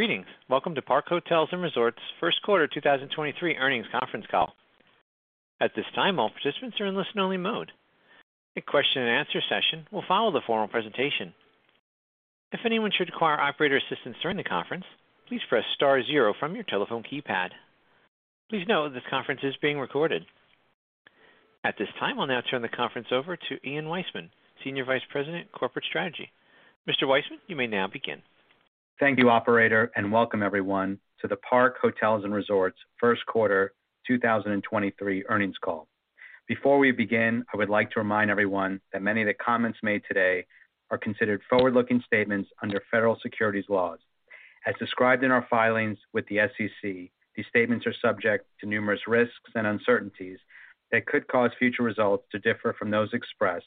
Greetings. Welcome to Park Hotels & Resorts' First Quarter 2023 Earnings Conference Call. At this time, all participants are in listen-only mode. A question and answer session will follow the formal presentation. If anyone should require operator assistance during the conference, please press star zero from your telephone keypad. Please note this conference is being recorded. At this time, I'll now turn the conference over to Ian Weissman, Senior Vice President, Corporate Strategy. Mr. Weissman, you may now begin. Thank you, operator, and welcome everyone to the Park Hotels & Resorts First Quarter 2023 Earnings Call. Before we begin, I would like to remind everyone that many of the comments made today are considered forward-looking statements under federal securities laws. As described in our filings with the SEC, these statements are subject to numerous risks and uncertainties that could cause future results to differ from those expressed,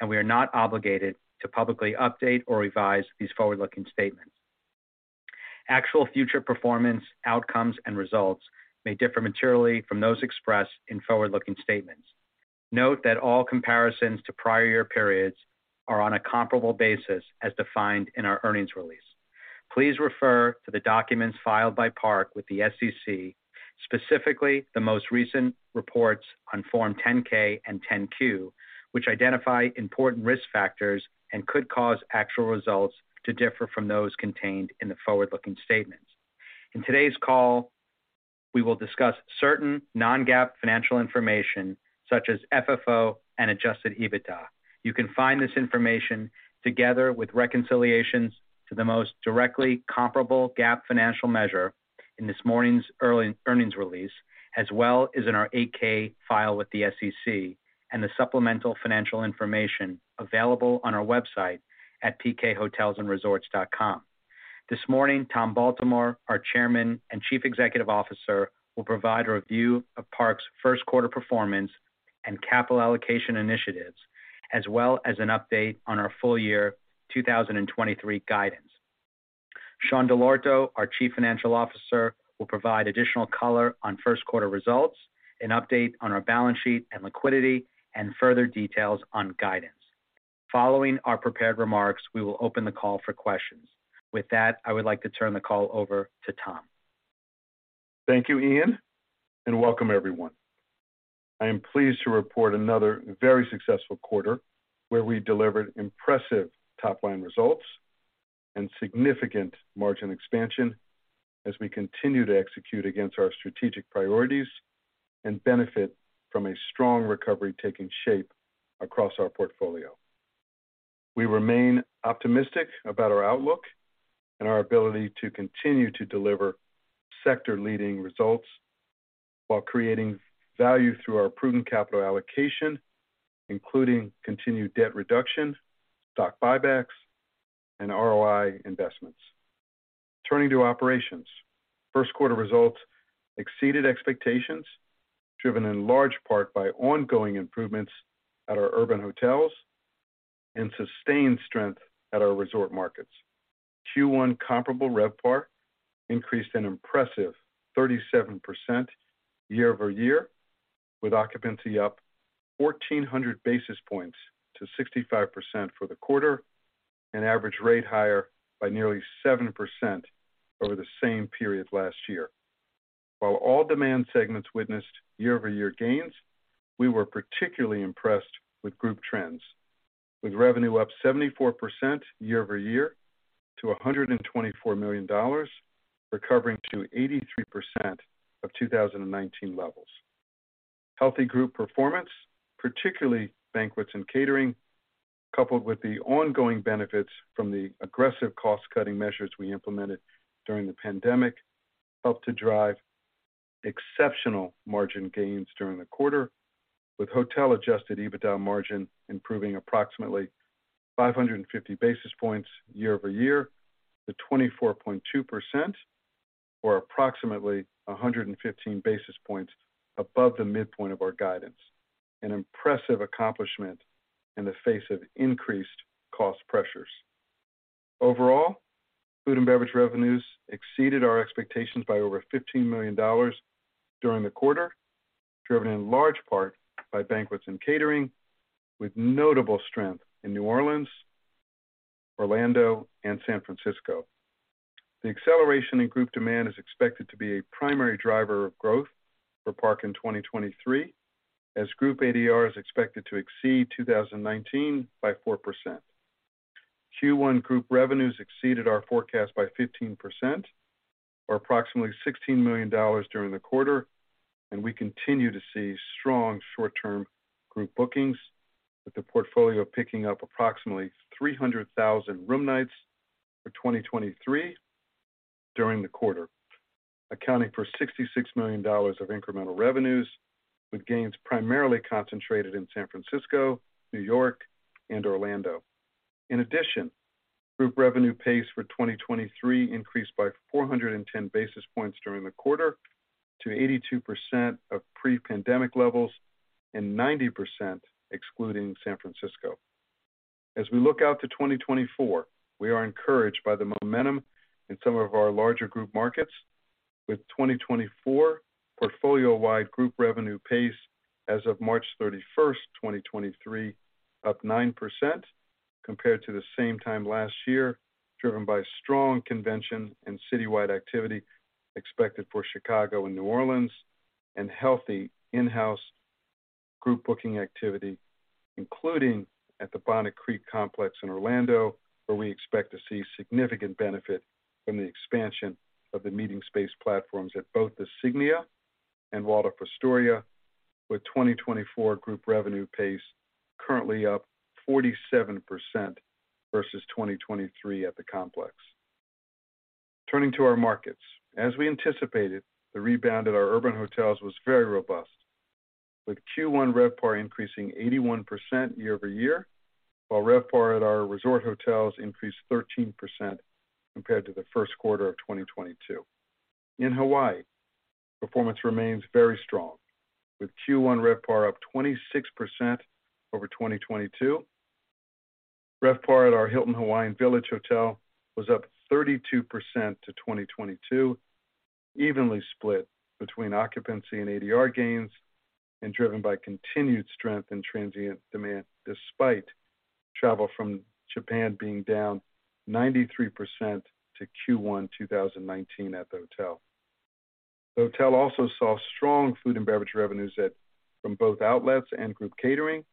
and we are not obligated to publicly update or revise these forward-looking statements. Actual future performance, outcomes, and results may differ materially from those expressed in forward-looking statements. Note that all comparisons to prior year periods are on a comparable basis as defined in our earnings release. Please refer to the documents filed by Park with the SEC, specifically the most recent reports on Form 10-K and Form 10-Q, which identify important risk factors and could cause actual results to differ from those contained in the forward-looking statements. In today's call, we will discuss certain non-GAAP financial information such as FFO and adjusted EBITDA. You can find this information together with reconciliations to the most directly comparable GAAP financial measure in this morning's earnings release, as well as in our 8-K file with the SEC and the supplemental financial information available on our website at pkhotelsandresorts.com. This morning, Tom Baltimore, our Chairman and Chief Executive Officer, will provide a review of Park's first quarter performance and capital allocation initiatives, as well as an update on our full year 2023 guidance. Sean Dell'Orto, our Chief Financial Officer, will provide additional color on first quarter results and update on our balance sheet and liquidity and further details on guidance. Following our prepared remarks, we will open the call for questions. With that, I would like to turn the call over to Tom. Thank you, Ian. Welcome everyone. I am pleased to report another very successful quarter where we delivered impressive top-line results and significant margin expansion as we continue to execute against our strategic priorities and benefit from a strong recovery taking shape across our portfolio. We remain optimistic about our outlook and our ability to continue to deliver sector leading results while creating value through our proven capital allocation, including continued debt reduction, stock buybacks, and ROI investments. Turning to operations. First quarter results exceeded expectations, driven in large part by ongoing improvements at our urban hotels and sustained strength at our resort markets. Q1 comparable RevPAR increased an impressive 37% year-over-year, with occupancy up 1,400 basis points to 65% for the quarter and average rate higher by nearly 7% over the same period last year. While all demand segments witnessed year-over-year gains, we were particularly impressed with group trends, with revenue up 74% year-over-year to $124 million, recovering to 83% of 2019 levels. Healthy group performance, particularly banquets and catering, coupled with the ongoing benefits from the aggressive cost-cutting measures we implemented during the pandemic, helped to drive exceptional margin gains during the quarter, with hotel adjusted EBITDA margin improving approximately 550 basis points year-over-year to 24.2% or approximately 115 basis points above the midpoint of our guidance, an impressive accomplishment in the face of increased cost pressures. Overall, food and beverage revenues exceeded our expectations by over $15 million during the quarter, driven in large part by banquets and catering, with notable strength in New Orleans, Orlando, and San Francisco. The acceleration in group demand is expected to be a primary driver of growth for Park in 2023, as group ADR is expected to exceed 2019 by 4%. Q1 group revenues exceeded our forecast by 15% or approximately $16 million during the quarter, and we continue to see strong short-term group bookings, with the portfolio picking up approximately 300,000 room nights for 2023 during the quarter, accounting for $66 million of incremental revenues, with gains primarily concentrated in San Francisco, New York, and Orlando. In addition, group revenue pace for 2023 increased by 410 basis points during the quarter to 82% of pre-pandemic levels and 90% excluding San Francisco. As we look out to 2024, we are encouraged by the momentum in some of our larger group markets. With 2024, portfolio-wide group revenue pace as of March 31st, 2023, up 9% compared to the same time last year, driven by strong convention and citywide activity expected for Chicago and New Orleans and healthy in-house group booking activity, including at the Bonnet Creek Complex in Orlando, where we expect to see significant benefit from the expansion of the meeting space platforms at both the Signia and Waldorf Astoria, with 2024 group revenue pace currently up 47% versus 2023 at the complex. Turning to our markets. As we anticipated, the rebound at our urban hotels was very robust, with Q1 RevPAR increasing 81% year-over-year, while RevPAR at our resort hotels increased 13% compared to the first quarter of 2022. In Hawaii, performance remains very strong, with Q1 RevPAR up 26% over 2022. RevPAR at our Hilton Hawaiian Village Hotel was up 32% to 2022, evenly split between occupancy and ADR gains and driven by continued strength in transient demand despite travel from Japan being down 93% to Q1 2019 at the hotel. The hotel also saw strong food and beverage revenues from both outlets and group catering,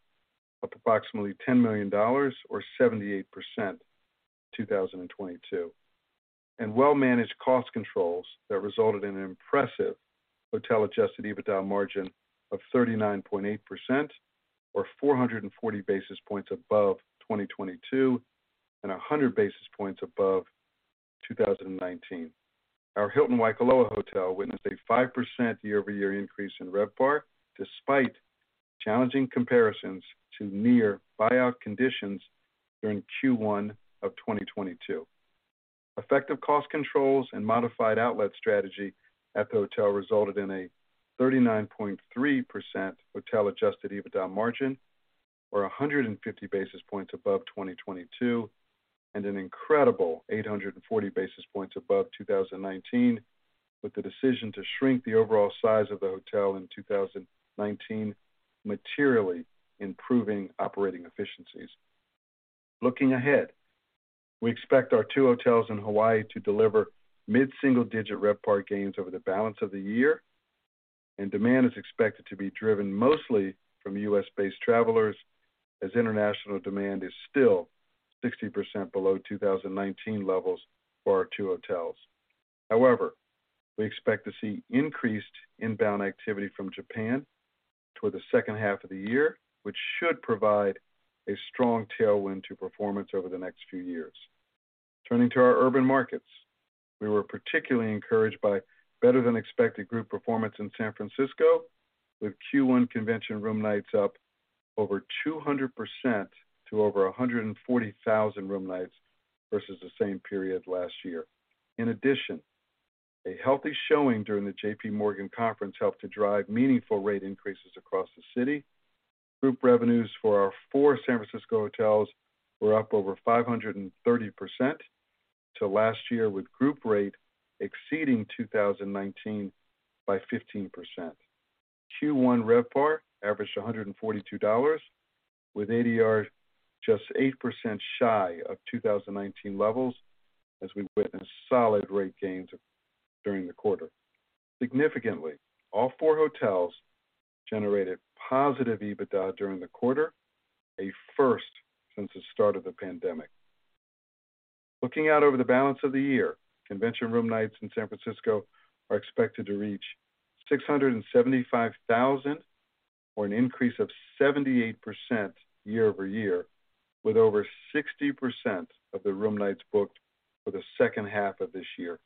up approximately $10 million or 78% to 2022. Well-managed cost controls that resulted in an impressive hotel adjusted EBITDA margin of 39.8% or 440 basis points above 2022 and 100 basis points above 2019. Our Hilton Waikoloa Village witnessed a 5% year-over-year increase in RevPAR, despite challenging comparisons to near buyout conditions during Q1 of 2022. Effective cost controls and modified outlet strategy at the hotel resulted in a 39.3% hotel adjusted EBITDA margin or 150 basis points above 2022, and an incredible 840 basis points above 2019, with the decision to shrink the overall size of the hotel in 2019, materially improving operating efficiencies. Looking ahead, we expect our two hotels in Hawaii to deliver mid-single-digit RevPAR gains over the balance of the year, and demand is expected to be driven mostly from U.S. based travelers as international demand is still 60% below 2019 levels for our two hotels. However, we expect to see increased inbound activity from Japan toward the second half of the year, which should provide a strong tailwind to performance over the next few years. Turning to our urban markets, we were particularly encouraged by better than expected group performance in San Francisco, with Q1 convention room nights up over 200% to over 140,000 room nights versus the same period last year. In addition, a healthy showing during the JPMorgan conference helped to drive meaningful rate increases across the city. Group revenues for our four San Francisco hotels were up over 530% to last year, with group rate exceeding 2019 by 15%. Q1 RevPAR averaged $142, with ADR just 8% shy of 2019 levels as we witnessed solid rate gains during the quarter. Significantly, all four hotels generated positive EBITDA during the quarter, a first since the start of the pandemic. Looking out over the balance of the year, convention room nights in San Francisco are expected to reach 675,000, or an increase of 78% year-over-year, with over 60% of the room nights booked for the second half of this year.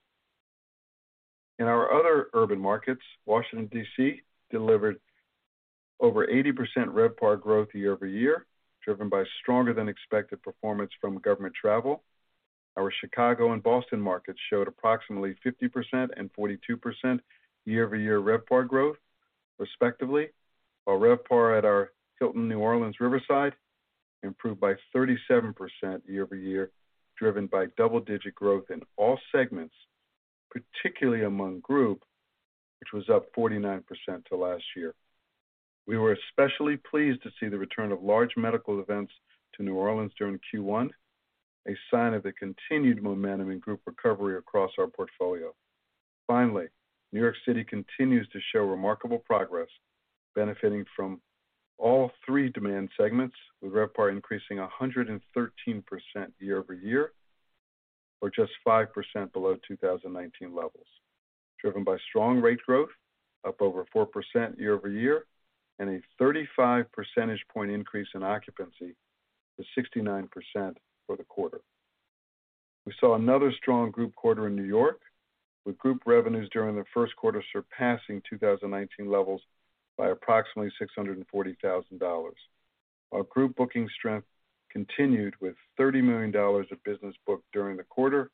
In our other urban markets, Washington, D.C. delivered over 80% RevPAR growth year-over-year, driven by stronger than expected performance from government travel. Our Chicago and Boston markets showed approximately 50% and 42% year-over-year RevPAR growth, respectively, while RevPAR at our Hilton New Orleans Riverside improved by 37% year-over-year, driven by double-digit growth in all segments, particularly among group, which was up 49% to last year. We were especially pleased to see the return of large medical events to New Orleans during Q1, a sign of the continued momentum in group recovery across our portfolio. Finally, New York City continues to show remarkable progress, benefiting from all three demand segments, with RevPAR increasing 113% year-over-year, or just 5% below 2019 levels, driven by strong rate growth up over 4% year-over-year, and a 35 percentage point increase in occupancy to 69% for the quarter. We saw another strong group quarter in New York, with group revenues during the first quarter surpassing 2019 levels by approximately $640,000. Our group booking strength continued with $30 million of business booked during the quarter,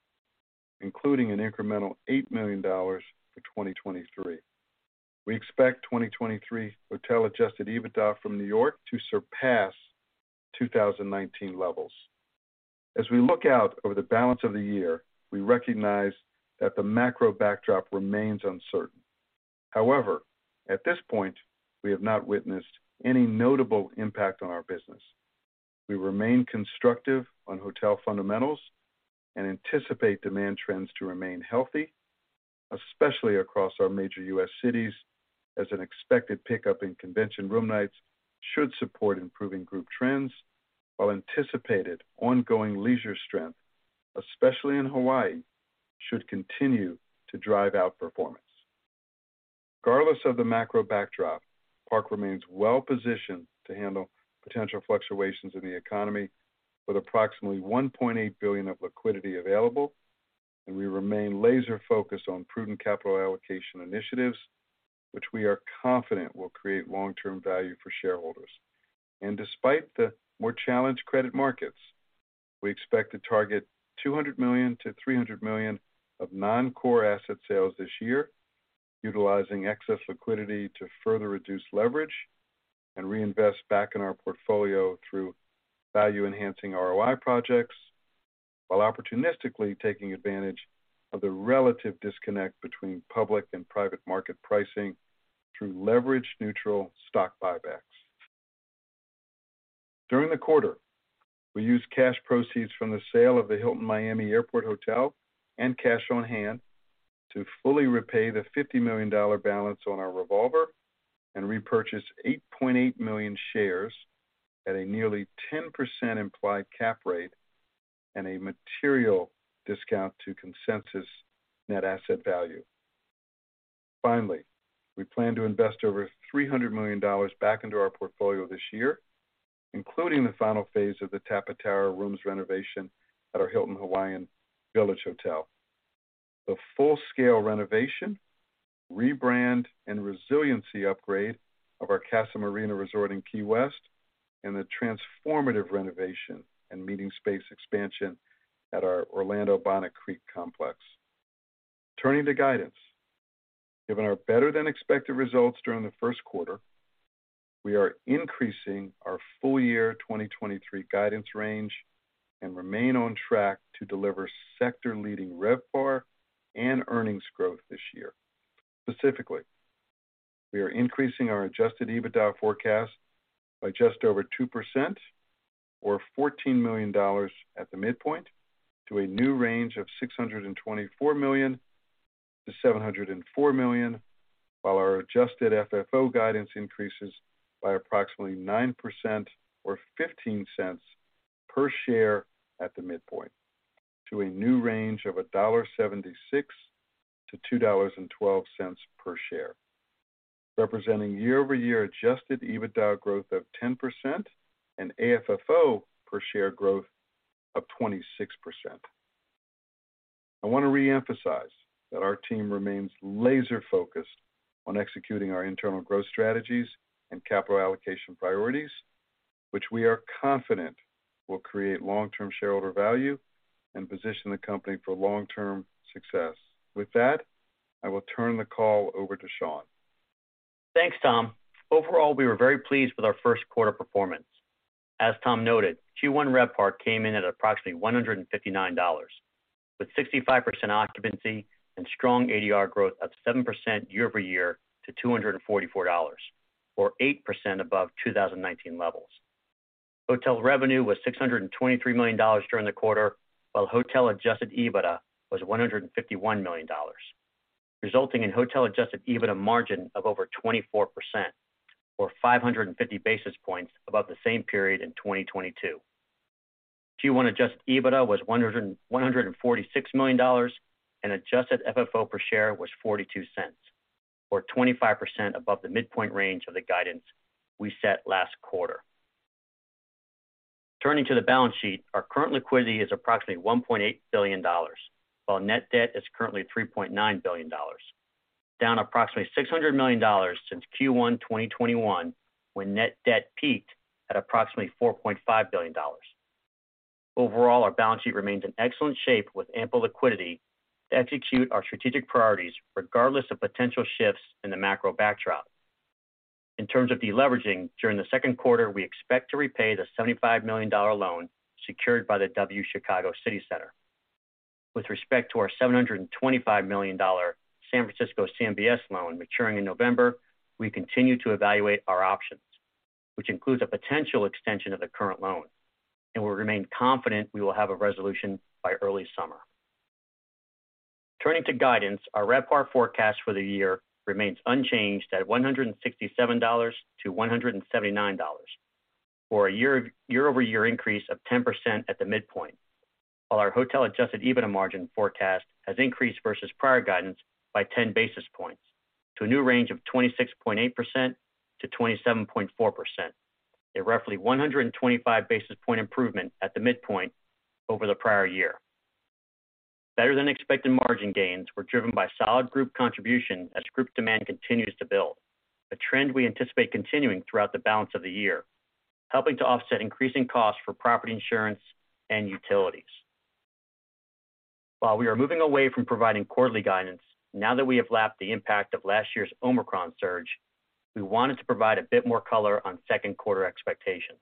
including an incremental $8 million for 2023. We expect 2023 hotel adjusted EBITDA from New York to surpass 2019 levels. As we look out over the balance of the year, we recognize that the macro backdrop remains uncertain. However, at this point, we have not witnessed any notable impact on our business. We remain constructive on hotel fundamentals and anticipate demand trends to remain healthy, especially across our major U.S. cities, as an expected pickup in convention room nights should support improving group trends, while anticipated ongoing leisure strength, especially in Hawaii, should continue to drive out performance. Regardless of the macro backdrop, Park remains well-positioned to handle potential fluctuations in the economy with approximately $1.8 billion of liquidity available. We remain laser-focused on prudent capital allocation initiatives, which we are confident will create long-term value for shareholders. Despite the more challenged credit markets, we expect to target $200 million-$300 million of non-core asset sales this year, utilizing excess liquidity to further reduce leverage and reinvest back in our portfolio through value-enhancing ROI projects, while opportunistically taking advantage of the relative disconnect between public and private market pricing through leverage-neutral stock buybacks. During the quarter, we used cash proceeds from the sale of the Hilton Miami Airport Hotel and cash on hand to fully repay the $50 million balance on our revolver and repurchase 8.8 million shares at a nearly 10% implied cap rate and a material discount to consensus net asset value. Finally, we plan to invest over $300 million back into our portfolio this year, including the final phase of the Tapa Tower rooms renovation at our Hilton Hawaiian Village Hotel. The full-scale renovation, rebrand, and resiliency upgrade of our Casa Marina Resort in Key West and the transformative renovation and meeting space expansion at our Orlando Bonnet Creek complex. Turning to guidance. Given our better than expected results during the first quarter, we are increasing our full year 2023 guidance range and remain on track to deliver sector-leading RevPAR and earnings growth this year. Specifically, we are increasing our adjusted EBITDA forecast by just over 2% or $14 million at the midpoint to a new range of $624 million-$704 million, while our adjusted FFO guidance increases by approximately 9% or $0.15 per share at the midpoint to a new range of $1.76-$2.12 per share, representing year-over-year adjusted EBITDA growth of 10% and AFFO per share growth of 26%. I wanna reemphasize that our team remains laser-focused on executing our internal growth strategies and capital allocation priorities, which we are confident will create long-term shareholder value and position the company for long-term success. With that, I will turn the call over to Sean. Thanks, Tom. Overall, we were very pleased with our first quarter performance. As Tom noted, Q1 RevPAR came in at approximately $159, with 65% occupancy and strong ADR growth of 7% year-over-year to $244, or 8% above 2019 levels. Hotel revenue was $623 million during the quarter, while hotel adjusted EBITDA was $151 million, resulting in hotel adjusted EBITDA margin of over 24%, or 550 basis points above the same period in 2022. Q1 adjusted EBITDA was $146 million, and adjusted FFO per share was $0.42 or 25% above the midpoint range of the guidance we set last quarter. Turning to the balance sheet, our current liquidity is approximately $1.8 billion, while net debt is currently $3.9 billion, down approximately $600 million since Q1 2021, when net debt peaked at approximately $4.5 billion. Overall, our balance sheet remains in excellent shape with ample liquidity to execute our strategic priorities regardless of potential shifts in the macro backdrop. In terms of deleveraging, during the second quarter, we expect to repay the $75 million loan secured by the W Chicago - City Center. With respect to our $725 million San Francisco CMBS loan maturing in November, we continue to evaluate our options, which includes a potential extension of the current loan, and we remain confident we will have a resolution by early summer. Turning to guidance, our RevPAR forecast for the year remains unchanged at $167-$179, or a year-over-year increase of 10% at the midpoint, while our hotel adjusted EBITDA margin forecast has increased versus prior guidance by 10 basis points to a new range of 26.8%-27.4% at roughly 125 basis point improvement at the midpoint over the prior year. Better than expected margin gains were driven by solid group contribution as group demand continues to build. A trend we anticipate continuing throughout the balance of the year, helping to offset increasing costs for property insurance and utilities. While we are moving away from providing quarterly guidance, now that we have lapped the impact of last year's Omicron surge, we wanted to provide a bit more color on second quarter expectations.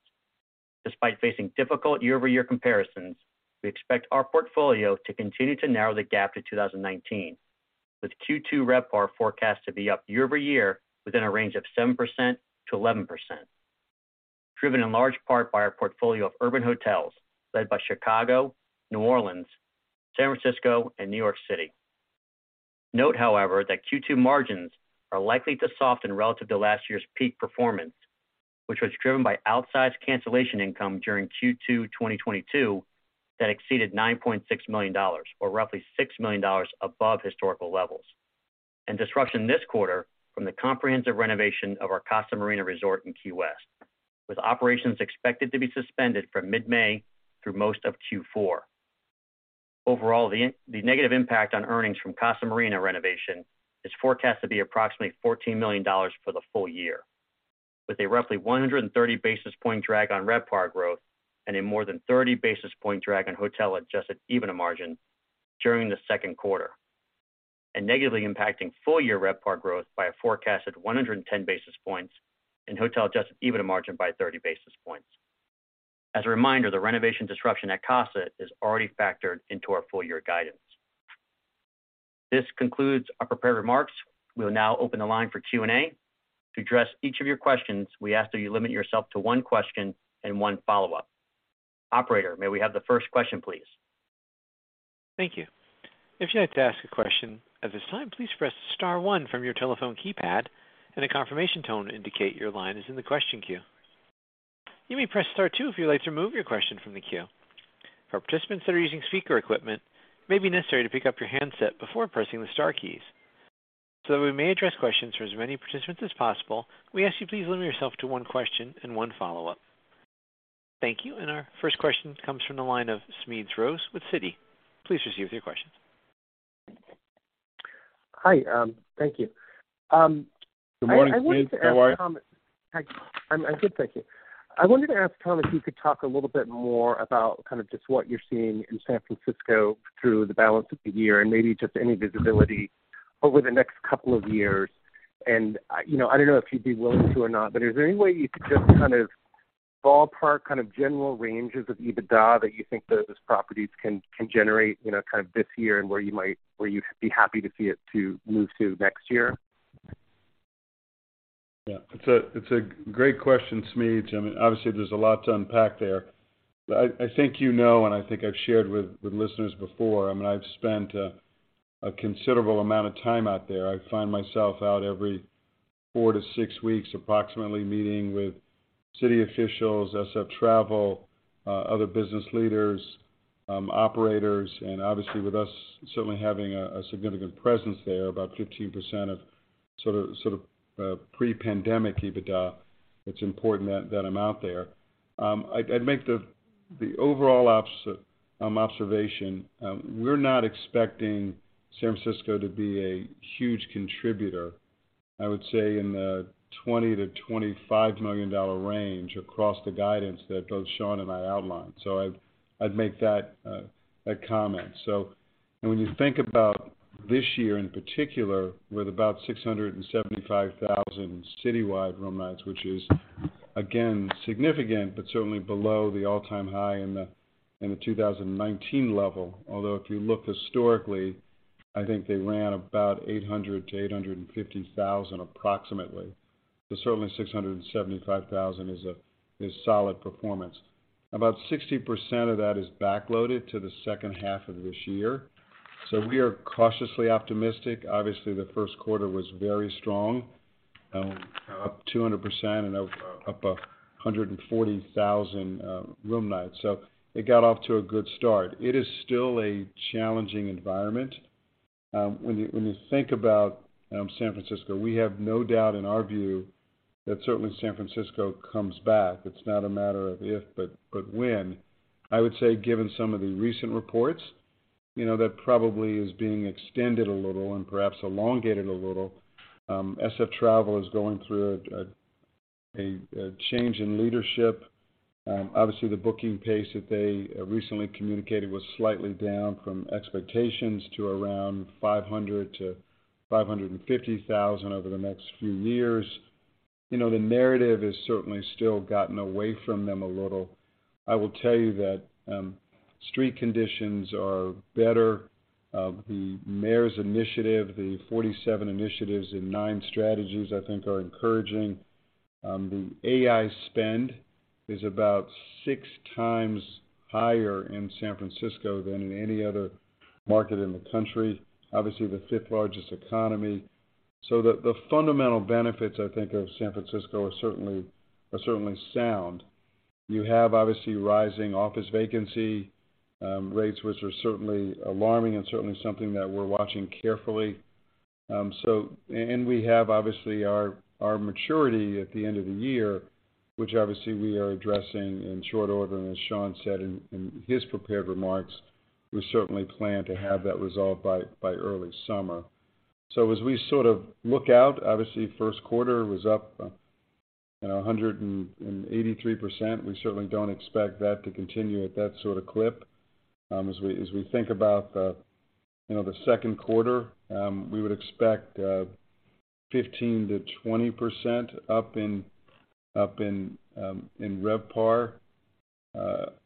Despite facing difficult year-over-year comparisons, we expect our portfolio to continue to narrow the gap to 2019, with Q2 RevPAR forecast to be up year-over-year within a range of 7%-11%, driven in large part by our portfolio of urban hotels led by Chicago, New Orleans, San Francisco and New York City. Note, however, that Q2 margins are likely to soften relative to last year's peak performance, which was driven by outsized cancellation income during Q2 2022 that exceeded $9.6 million, or roughly $6 million above historical levels. Disruption this quarter from the comprehensive renovation of our Casa Marina Resort in Key West, with operations expected to be suspended from mid-May through most of Q4. Overall, the negative impact on earnings from Casa Marina renovation is forecast to be approximately $14 million for the full year, with a roughly 130 basis point drag on RevPAR growth and a more than 30 basis point drag on hotel-adjusted EBITDA margin during the second quarter, and negatively impacting full-year RevPAR growth by a forecasted 110 basis points and hotel-adjusted EBITDA margin by 30 basis points. As a reminder, the renovation disruption at Casa is already factored into our full-year guidance. This concludes our prepared remarks. We will now open the line for Q&A. To address each of your questions, we ask that you limit yourself to one question and one follow-up. Operator, may we have the first question, please? Thank you. If you'd like to ask a question at this time, please press star one from your telephone keypad and a confirmation tone to indicate your line is in the question queue. You may press star two if you'd like to remove your question from the queue. For participants that are using speaker equipment, it may be necessary to pick up your handset before pressing the star keys. That we may address questions for as many participants as possible, we ask you please limit yourself to one question and one follow-up. Thank you. Our first question comes from the line of Smedes Rose with Citi. Please proceed with your question. Hi. Thank you. I wanted to ask Tom. Good morning, Smedes. How are you? I'm good, thank you. I wanted to ask Tom if you could talk a little bit more about kind of just what you're seeing in San Francisco through the balance of the year and maybe just any visibility over the next couple of years. You know, I don't know if you'd be willing to or not, but is there any way you could just kind of ballpark kind of general ranges of EBITDA that you think those properties can generate, you know, kind of this year and where you'd be happy to see it to move to next year? Yeah. It's a great question, Smedes. I mean, obviously, there's a lot to unpack there. I think you know, and I think I've shared with listeners before, I mean, I've spent a considerable amount of time out there. I find myself out every four to six weeks, approximately meeting with city officials, SF Travel, other business leaders, operators, and obviously with us certainly having a significant presence there, about 15% of sort of pre-pandemic EBITDA. It's important that I'm out there. I'd make the overall observation, we're not expecting San Francisco to be a huge contributor, I would say in the $20 million-$25 million range across the guidance that both Sean and I outlined. I'd make that a comment. When you think about this year in particular, with about 675,000 citywide room nights, which is again, significant, but certainly below the all-time high in the 2019 level. Although if you look historically, I think they ran about 800,000-850,000 approximately. Certainly 675,000 is solid performance. About 60% of that is backloaded to the second half of this year. We are cautiously optimistic. Obviously, the first quarter was very strong, up 200% and up 140,000 room nights. It got off to a good start. It is still a challenging environment. When you think about San Francisco, we have no doubt in our view that certainly San Francisco comes back. It's not a matter of if, but when. I would say, given some of the recent reports, you know, that probably is being extended a little and perhaps elongated a little. SF Travel is going through a change in leadership. Obviously, the booking pace that they recently communicated was slightly down from expectations to around 500,000 to 550,000 over the next few years. You know, the narrative has certainly still gotten away from them a little. I will tell you that, street conditions are better. The mayor's initiative, the 47 initiatives and nine strategies I think are encouraging. The AI spend is about six times higher in San Francisco than in any other market in the country, obviously, the fifth largest economy. The fundamental benefits, I think, of San Francisco are certainly sound. You have, obviously, rising office vacancy rates, which are certainly alarming and certainly something that we're watching carefully. We have obviously our maturity at the end of the year, which obviously we are addressing in short order. As Sean said in his prepared remarks, we certainly plan to have that resolved by early summer. As we sort of look out, obviously, first quarter was up, you know, 183%, we certainly don't expect that to continue at that sort of clip. As we think about the, you know, the second quarter, we would expect 15%-20% up in RevPAR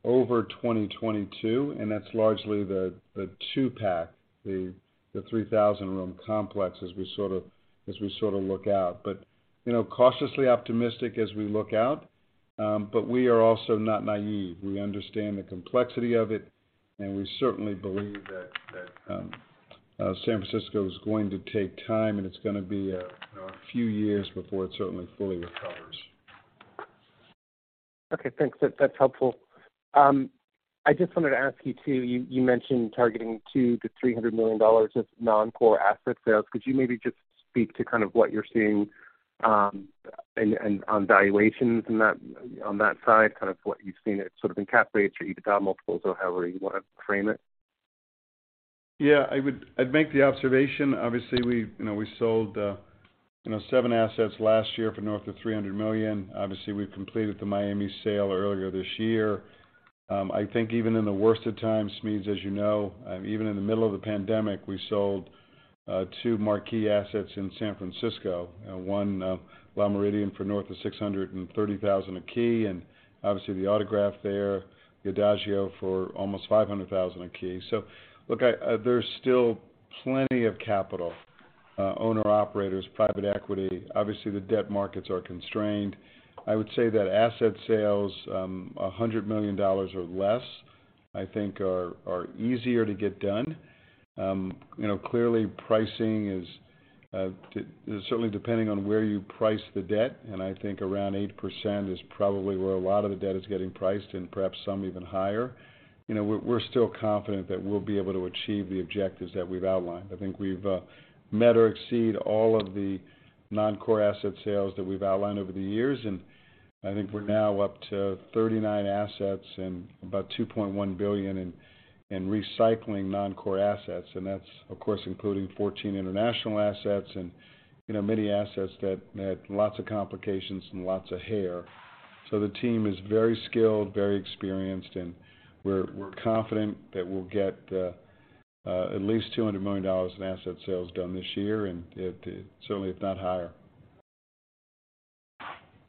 over 2022, and that's largely the two-pack, the 3,000-room complex as we look out. You know, cautiously optimistic as we look out, but we are also not naive. We understand the complexity of it, and we certainly believe that San Francisco is going to take time and it's gonna be a few years before it certainly fully recovers. Okay, thanks. That's helpful. I just wanted to ask you too, you mentioned targeting $200 million-$300 million of non-core asset sales. Could you maybe just speak to kind of what you're seeing, and on valuations in that, on that side, kind of what you've seen it sort of encapsulates your EBITDA multiples or however you wanna frame it? Yeah, I'd make the observation, obviously we, you know, we sold, you know, seven assets last year for north of $300 million. We've completed the Miami sale earlier this year. I think even in the worst of times, Smedes, as you know, even in the middle of the pandemic, we sold two marquee assets in San Francisco. One, Le Meridien for north of $630,000 a key, and obviously the Autograph there, the Adagio for almost $500,000 a key. Look, I, there's still plenty of capital, owner-operators, private equity. The debt markets are constrained. I would say that asset sales, $100 million or less, I think are easier to get done. You know, clearly pricing is certainly depending on where you price the debt, and I think around 8% is probably where a lot of the debt is getting priced, and perhaps some even higher. You know, we're still confident that we'll be able to achieve the objectives that we've outlined. I think we've met or exceed all of the non-core asset sales that we've outlined over the years. I think we're now up to 39 assets and about $2.1 billion in recycling non-core assets. That's, of course, including 14 international assets and, you know, many assets that had lots of complications and lots of hair. The team is very skilled, very experienced, and we're confident that we'll get at least $200 million in asset sales done this year, and it certainly, if not higher.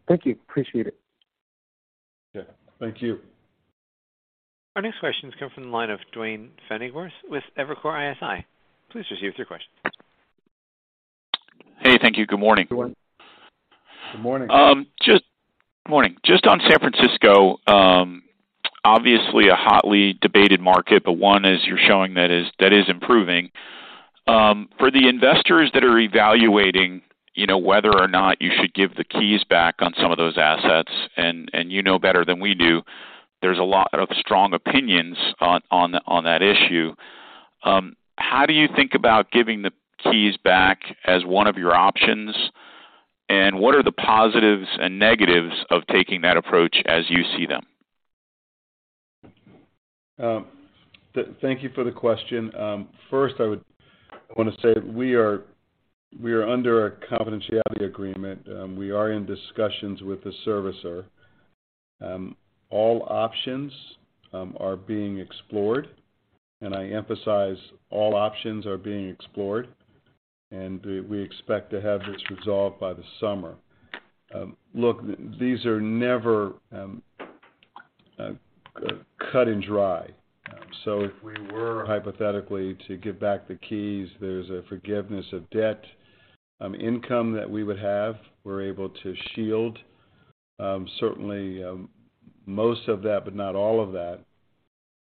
Thank you. Appreciate it. Yeah. Thank you. Our next question comes from the line of Duane Pfennigwerth with Evercore ISI. Please receive your question. Hey, thank you. Good morning. Good morning. Good morning. Just on San Francisco, obviously a hotly debated market, but one is you're showing that is improving. For the investors that are evaluating, you know, whether or not you should give the keys back on some of those assets, and you know better than we do, there's a lot of strong opinions on that issue. How do you think about giving the keys back as one of your options? What are the positives and negatives of taking that approach as you see them? Thank you for the question. I wanna say we are under a confidentiality agreement. We are in discussions with the servicer. All options are being explored, and I emphasize all options are being explored. We expect to have this resolved by the summer. Look, these are never cut and dry. If we were hypothetically to give back the keys, there's a forgiveness of debt. Income that we would have, we're able to shield, certainly, most of that, but not all of that.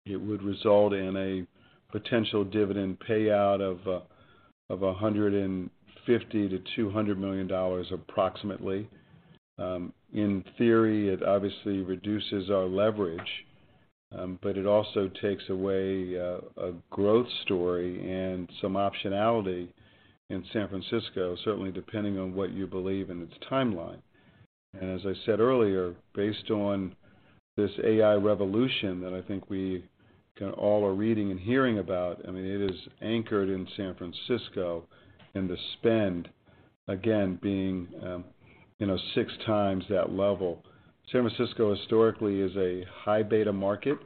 It would result in a potential dividend payout of $150 million-$200 million, approximately. In theory, it obviously reduces our leverage, but it also takes away a growth story and some optionality in San Francisco, certainly depending on what you believe in its timeline. As I said earlier, based on this AI revolution that I think we kinda all are reading and hearing about, I mean, it is anchored in San Francisco and the spend again being, you know, six times that level. San Francisco historically is a high beta market,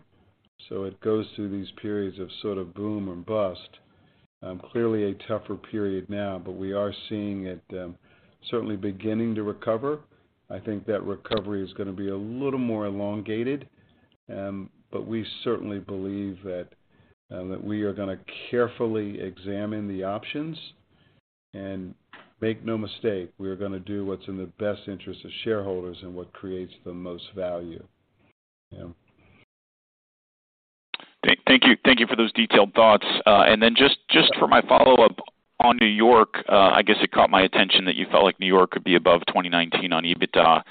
so it goes through these periods of sort of boom or bust. Clearly a tougher period now, but we are seeing it certainly beginning to recover. I think that recovery is gonna be a little more elongated, but we certainly believe that we are gonna carefully examine the options. Make no mistake, we're going to do what's in the best interest of shareholders and what creates the most value. Yeah. Thank you. Thank you for those detailed thoughts. Just for my follow-up on New York, I guess it caught my attention that you felt like New York could be above 2019 on EBITDA.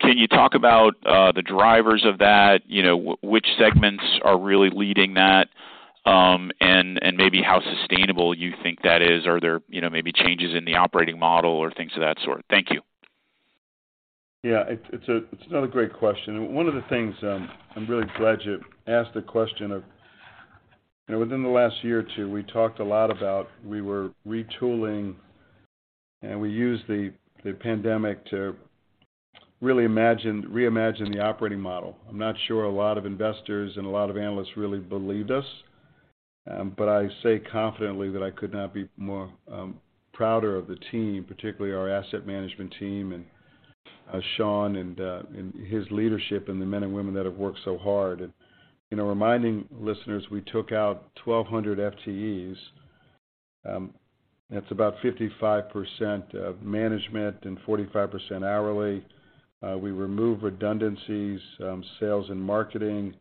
Can you talk about the drivers of that? You know, which segments are really leading that? Maybe how sustainable you think that is. Are there, you know, maybe changes in the operating model or things of that sort? Thank you. Yeah. It's, it's a, it's another great question. One of the things, I'm really glad you asked the question. Within the last year or two, we talked a lot about we were retooling, and we used the pandemic to really reimagine the operating model. I'm not sure a lot of investors and a lot of analysts really believed us, but I say confidently that I could not be more prouder of the team, particularly our asset management team and Sean and his leadership and the men and women that have worked so hard. You know, reminding listeners, we took out 1,200 FTEs, that's about 55% of management and 45% hourly. We removed redundancies, sales, and marketing,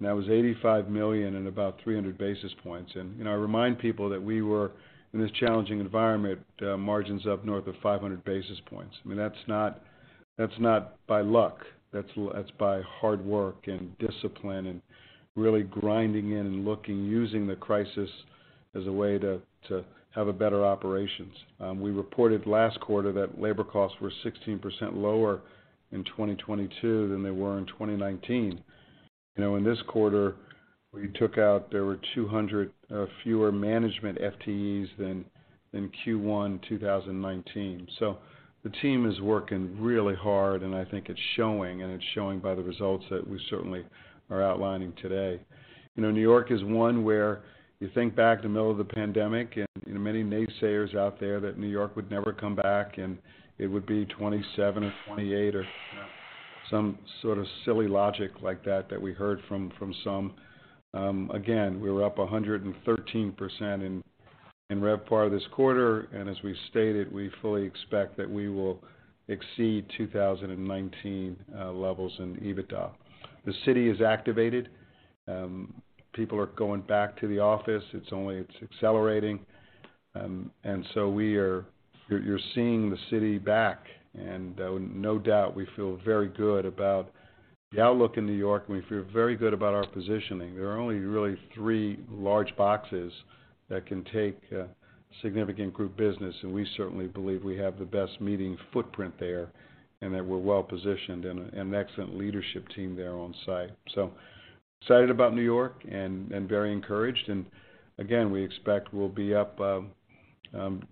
and that was $85 million and about 300 basis points. You know, I remind people that we were, in this challenging environment, margins up north of 500 basis points. I mean, that's not, that's not by luck, that's by hard work and discipline and really grinding in and looking, using the crisis as a way to have a better operations. We reported last quarter that labor costs were 16% lower in 2022 than they were in 2019. You know, in this quarter, we took out there were 200 fewer management FTEs than Q1 2019. The team is working really hard, and I think it's showing, and it's showing by the results that we certainly are outlining today. You know, New York is one where you think back in the middle of the pandemic and, you know, many naysayers out there that New York would never come back, and it would be 27 or 28 or, you know, some sort of silly logic like that that we heard from some. Again, we were up 113% in RevPAR this quarter, and as we've stated, we fully expect that we will exceed 2019 levels in EBITDA. The city is activated. People are going back to the office. It's accelerating. You're seeing the city back, and, no doubt, we feel very good about the outlook in New York, and we feel very good about our positioning. There are only really three large boxes that can take significant group business. We certainly believe we have the best meeting footprint there, and that we're well positioned and excellent leadership team there on site. Excited about New York and very encouraged. Again, we expect we'll be up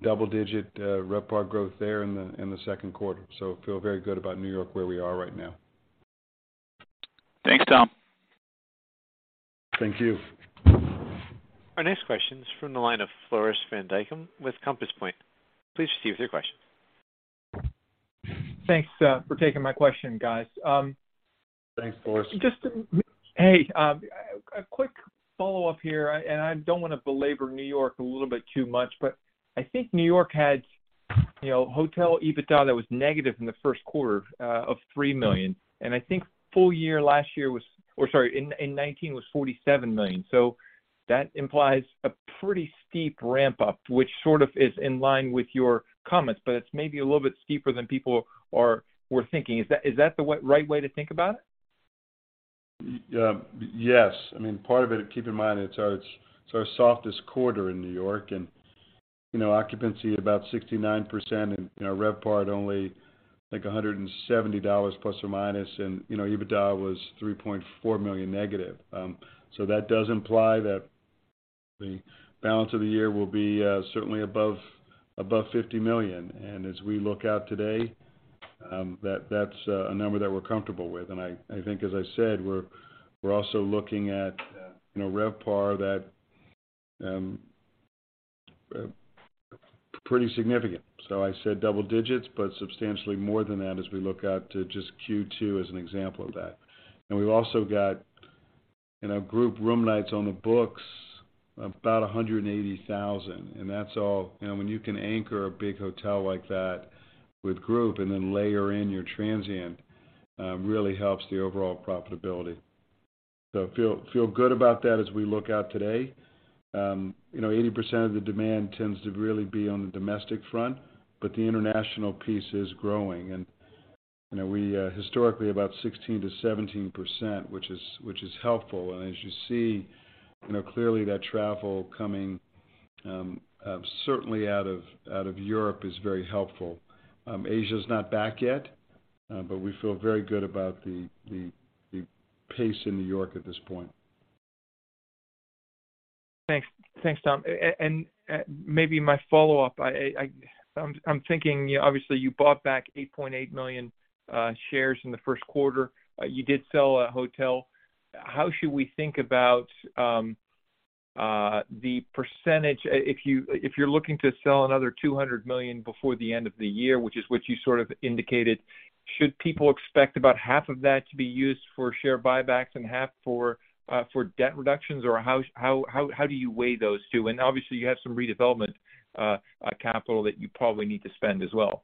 double digit RevPAR growth there in the second quarter. Feel very good about New York where we are right now. Thanks, Tom. Thank you. Our next question is from the line of Floris van Dijkum with Compass Point. Please proceed with your question. Thanks for taking my question, guys. Thanks, Floris. Hey, a quick follow-up here. I don't wanna belabor New York a little bit too much. I think New York had, you know, hotel EBITDA that was negative in the first quarter of $3 million. I think full year last year, or sorry, in 2019, was $47 million. That implies a pretty steep ramp-up, which sort of is in line with your comments, but it's maybe a little bit steeper than people were thinking. Is that the right way to think about it? Yes. I mean, part of it, keep in mind it's our, it's our softest quarter in New York and, you know, occupancy at about 69% and, you know, RevPAR at only, I think, $170 ±. you know, EBITDA was $3.4 million negative. that does imply that the balance of the year will be certainly above $50 million. as we look out today, that's a number that we're comfortable with. I think, as I said, we're also looking at, you know, RevPAR that pretty significant. I said double digits, but substantially more than that as we look out to just Q2 as an example of that. we've also got, you know, group room nights on the books, about 180,000. You know, when you can anchor a big hotel like that with group and then layer in your transient, really helps the overall profitability. Feel good about that as we look out today. You know, 80% of the demand tends to really be on the domestic front, but the international piece is growing. You know, we historically about 16%-17%, which is helpful. As you see, you know, clearly that travel coming, certainly out of Europe is very helpful. Asia's not back yet, but we feel very good about the pace in New York at this point. Thanks. Thanks, Tom. Maybe my follow-up. I'm thinking, you know, obviously you bought back $8.8 million shares in the first quarter. You did sell a hotel. If you're looking to sell another $200 million before the end of the year, which is what you sort of indicated, should people expect about half of that to be used for share buybacks and half for debt reductions? Or how do you weigh those two? Obviously, you have some redevelopment capital that you probably need to spend as well.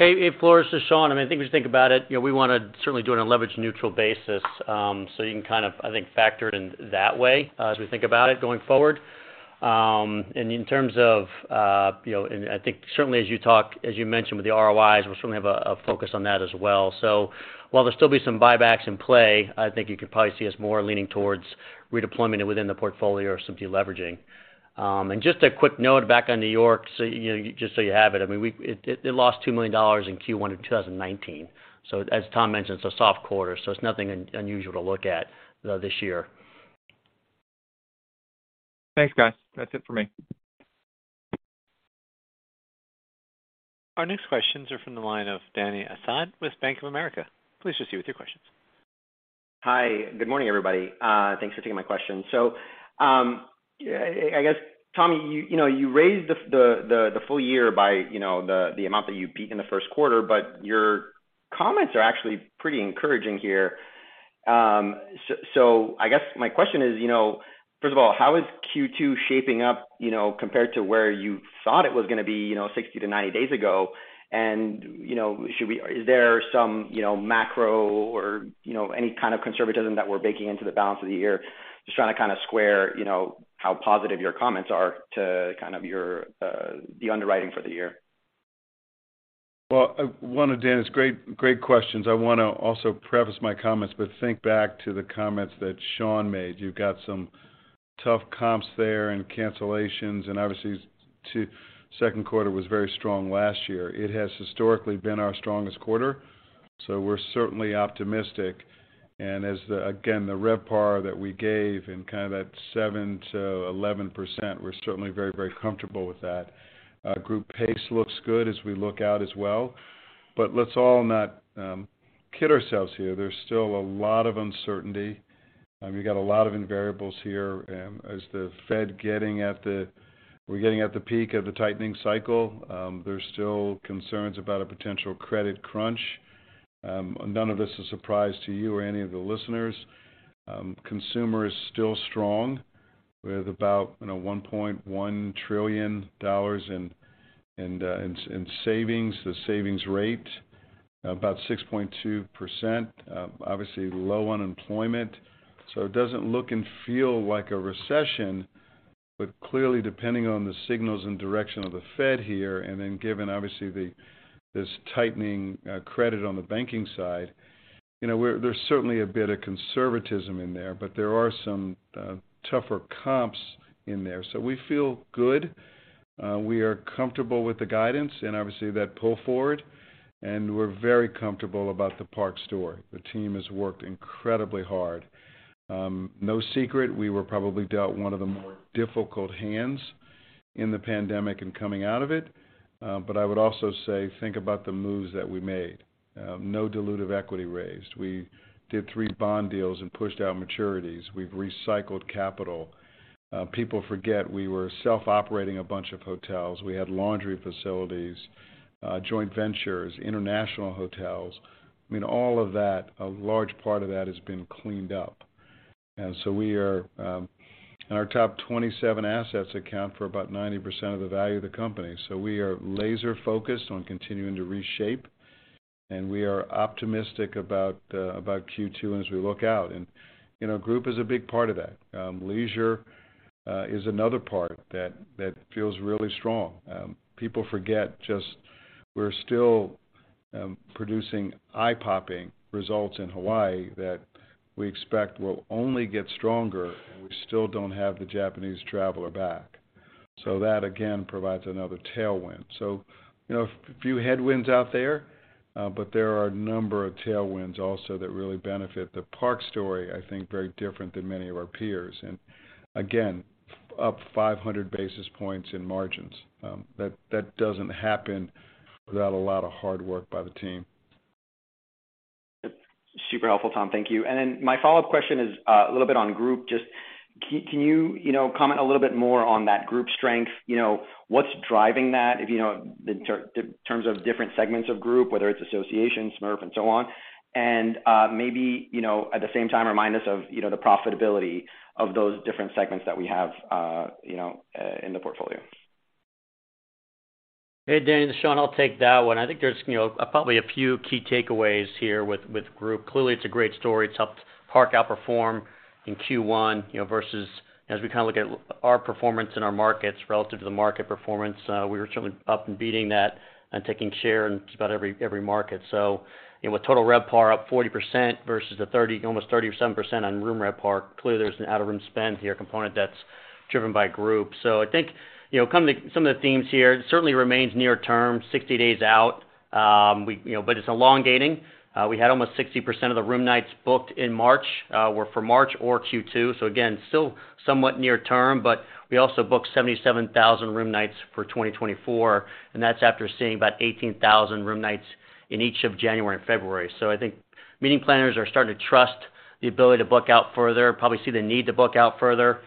Hey, Floris, this is Sean. I mean, I think if you think about it, you know, we wanna certainly do it on a leverage neutral basis. You can kind of, I think, factor it in that way as we think about it going forward. In terms of, you know, and I think certainly as you mentioned with the ROIs, we'll certainly have a focus on that as well. While there'll still be some buybacks in play, I think you could probably see us more leaning towards redeployment within the portfolio or some de-leveraging. Just a quick note back on New York, you know, just so you have it, I mean, It lost $2 million in Q1 of 2019. As Tom mentioned, it's a soft quarter, so it's nothing unusual to look at this year. Thanks, guys. That's it for me. Our next questions are from the line of Dany Asad with Bank of America. Please proceed with your questions. Hi. Good morning, everybody. Thanks for taking my question. I guess, Tom, you know, you raised the, the full year by, you know, the amount that you beat in the first quarter, but your comments are actually pretty encouraging here. I guess my question is, you know, first of all, how is Q2 shaping up, you know, compared to where you thought it was gonna be, you know, 60 to 90 days ago? Is there some, you know, macro or, you know, any kind of conservatism that we're baking into the balance of the year? Just trying to kinda square, you know, how positive your comments are to kind of your, the underwriting for the year. Well, one of Dan's great questions. I wanna also preface my comments, but think back to the comments that Sean made. You've got some tough comps there and cancellations, obviously second quarter was very strong last year. It has historically been our strongest quarter, we're certainly optimistic. As, again, the RevPAR that we gave in kind of that 7%-11%, we're certainly very comfortable with that. Group pace looks good as we look out as well. Let's all not kid ourselves here. There's still a lot of uncertainty. You got a lot of invariables here. As the Fed we're getting at the peak of the tightening cycle, there's still concerns about a potential credit crunch. None of this is surprise to you or any of the listeners. Consumer is still strong with about, you know, $1.1 trillion in savings. The savings rate, about 6.2%. Obviously low unemployment. It doesn't look and feel like a recession, but clearly, depending on the signals and direction of the Fed here, given obviously this tightening credit on the banking side, you know, there's certainly a bit of conservatism in there, but there are some tougher comps in there. We feel good. We are comfortable with the guidance and obviously that pull forward, and we're very comfortable about the Park story. The team has worked incredibly hard. No secret, we were probably dealt one of the more difficult hands in the pandemic and coming out of it, but I would also say, think about the moves that we made. No dilutive equity raised. We did three bond deals and pushed out maturities. We've recycled capital. People forget we were self-operating a bunch of hotels. We had laundry facilities, joint ventures, international hotels. I mean, all of that, a large part of that has been cleaned up. We are, our top 27 assets account for about 90% of the value of the company. We are laser-focused on continuing to reshape, and we are optimistic about Q2 as we look out. You know, group is a big part of that. Leisure is another part that feels really strong. People forget just we're still producing eye-popping results in Hawaii that we expect will only get stronger, and we still don't have the Japanese traveler back. That, again, provides another tailwind. You know, a few headwinds out there, but there are a number of tailwinds also that really benefit the Park story, I think very different than many of our peers. Again, up 500 basis points in margins. That doesn't happen without a lot of hard work by the team. Super helpful, Tom. Thank you. My follow-up question is a little bit on group. Just can you know, comment a little bit more on that group strength? You know, what's driving that, if you know, in terms of different segments of group, whether it's associations, SMERF, and so on. Maybe, you know, at the same time, remind us of, you know, the profitability of those different segments that we have, you know, in the portfolio. Hey, Dany, this is Sean. I'll take that one. I think there's, you know, probably a few key takeaways here with group. Clearly, it's a great story. It's helped Park outperform in Q1, you know, versus as we kind of look at our performance in our markets relative to the market performance, we were certainly up and beating that and taking share in just about every market. You know, with total RevPAR up 40% versus the 30%, almost 37% on room RevPAR, clearly there's an out-of-room spend here component that's driven by group. I think, you know, some of the themes here, it certainly remains near term, 60 days out. We, you know, it's elongating. We had almost 60% of the room nights booked in March, were for March or Q2. Again, still somewhat near term, but we also booked 77,000 room nights for 2024, and that's after seeing about 18,000 room nights in each of January and February. I think meeting planners are starting to trust the ability to book out further, probably see the need to book out further.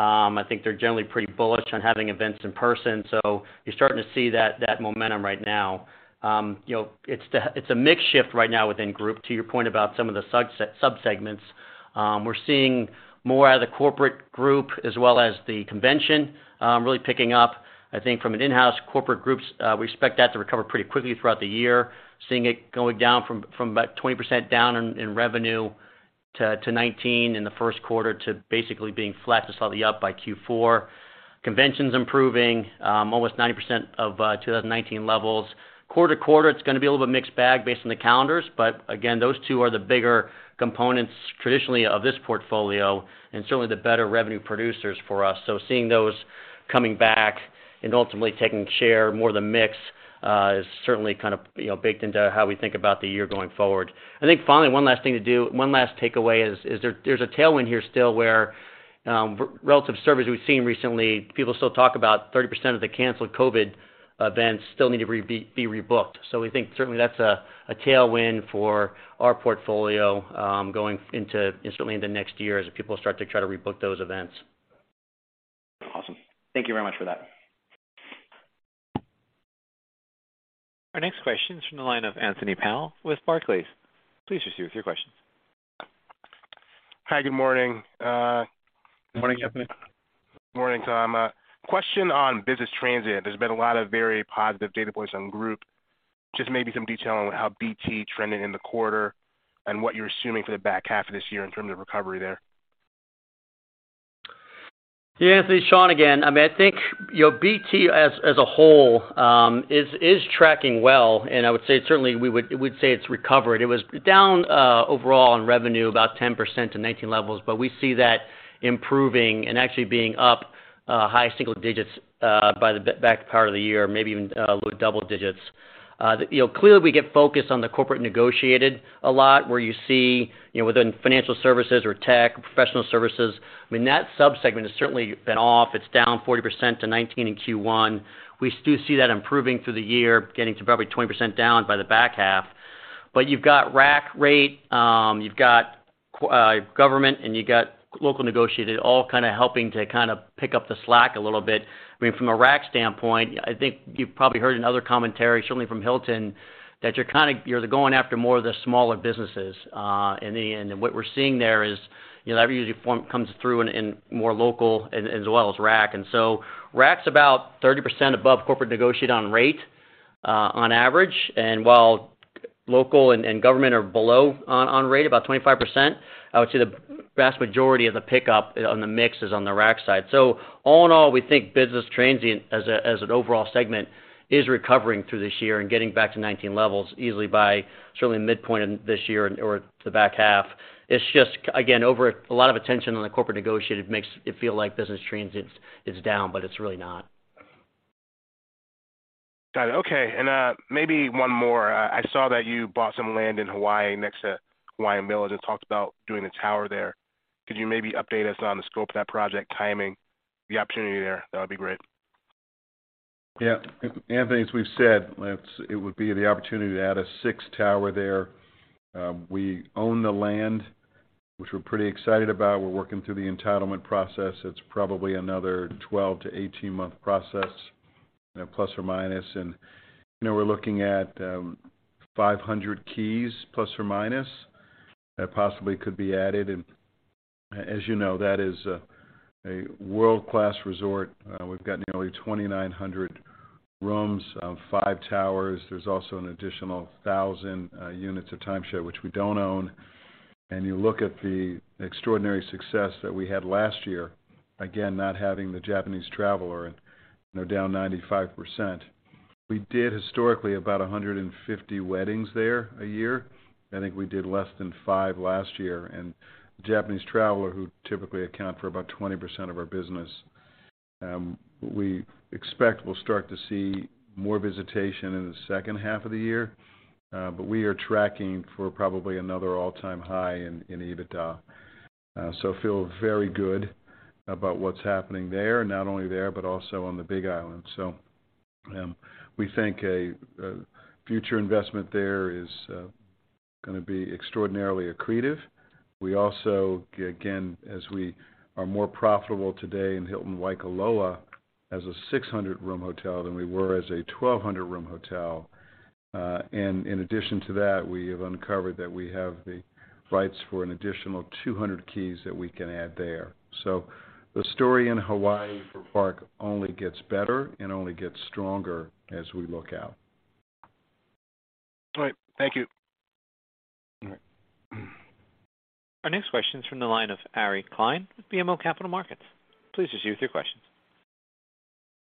I think they're generally pretty bullish on having events in person, so you're starting to see that momentum right now. You know, it's a mix shift right now within group, to your point about some of the subsegments. We're seeing more out of the corporate group as well as the convention, really picking up. I think from an in-house corporate groups, we expect that to recover pretty quickly throughout the year, seeing it going down from about 20% down in revenue to 19% in the first quarter to basically being flat to slightly up by Q4. Conventions improving, almost 90% of 2019 levels. Quarter to quarter, it's gonna be a little bit mixed bag based on the calendars, but again, those two are the bigger components traditionally of this portfolio and certainly the better revenue producers for us. Seeing those coming back and ultimately taking share more the mix, is certainly kind of, you know, baked into how we think about the year going forward. I think finally, one last thing to do one last takeaway is there's a tailwind here still where relative service we've seen recently, people still talk about 30% of the canceled COVID events still need to be rebooked. We think certainly that's a tailwind for our portfolio going into certainly in the next year as people start to try to rebook those events. Awesome. Thank you very much for that. Our next question is from the line of Anthony Powell with Barclays. Please proceed with your question. Hi, good morning. Good morning, Anthony. Morning, Tom. Question on business transient. There's been a lot of very positive data points on group. Just maybe some detail on how BT trended in the quarter and what you're assuming for the back half of this year in terms of recovery there. Yeah, Anthony, Sean again. I mean, I think, you know, BT as a whole is tracking well, and I would say certainly we'd say it's recovered. It was down overall in revenue about 10% to 2019 levels, but we see that improving and actually being up high single digits by the back part of the year, maybe even low double digits. The, you know, clearly, we get focused on the corporate negotiated a lot where you see, you know, within financial services or tech, professional services. I mean, that sub-segment has certainly been off. It's down 40% to 2019 in Q1. We do see that improving through the year, getting to probably 20% down by the back half. You've got rack rate, you've got government, and you've got local negotiated, all kind of helping to kind of pick up the slack a little bit. I mean, from a rack standpoint, I think you've probably heard in other commentary, certainly from Hilton, that you're going after more of the smaller businesses in the end. What we're seeing there is, you know, that usually comes through in more local as well as rack. Rack's about 30% above corporate negotiated on rate on average. While local and government are below on rate, about 25%, I would say the vast majority of the pickup on the mix is on the rack side. All in all, we think business transient as an overall segment is recovering through this year and getting back to 2019 levels easily by certainly midpoint in this year or the back half. It's just, again, over a lot of attention on the corporate negotiated makes it feel like business transient is down, but it's really not. Got it. Okay. Maybe one more. I saw that you bought some land in Hawaii next to Hawaiian Village and talked about doing a tower there. Could you maybe update us on the scope of that project, timing, the opportunity there? That would be great. Yeah. Anthony, as we've said, it would be the opportunity to add a sixth tower there. We own the land, which we're pretty excited about. We're working through the entitlement process. It's probably another 12 to 18 month process, plus or minus. You know, we're looking at 500 keys plus or minus that possibly could be added. As you know, that is a world-class resort. We've got nearly 2,900 rooms, five towers. There's also an additional 1,000 units of timeshare, which we don't own. You look at the extraordinary success that we had last year, again, not having the Japanese traveler and they're down 95%. We did historically about 150 weddings there a year. I think we did less than five last year. The Japanese traveler, who typically account for about 20% of our business, we expect we'll start to see more visitation in the second half of the year, but we are tracking for probably another all-time high in EBITDA. Feel very good about what's happening there, not only there, but also on the Big Island. We think a future investment there is gonna be extraordinarily accretive. We also, again, as we are more profitable today in Hilton Waikoloa as a 600-room hotel than we were as a 1,200-room hotel. In addition to that, we have uncovered that we have the rights for an additional 200 keys that we can add there. The story in Hawaii for Park only gets better and only gets stronger as we look out. All right. Thank you. All right. Our next question is from the line of Ari Klein with BMO Capital Markets. Please proceed with your question.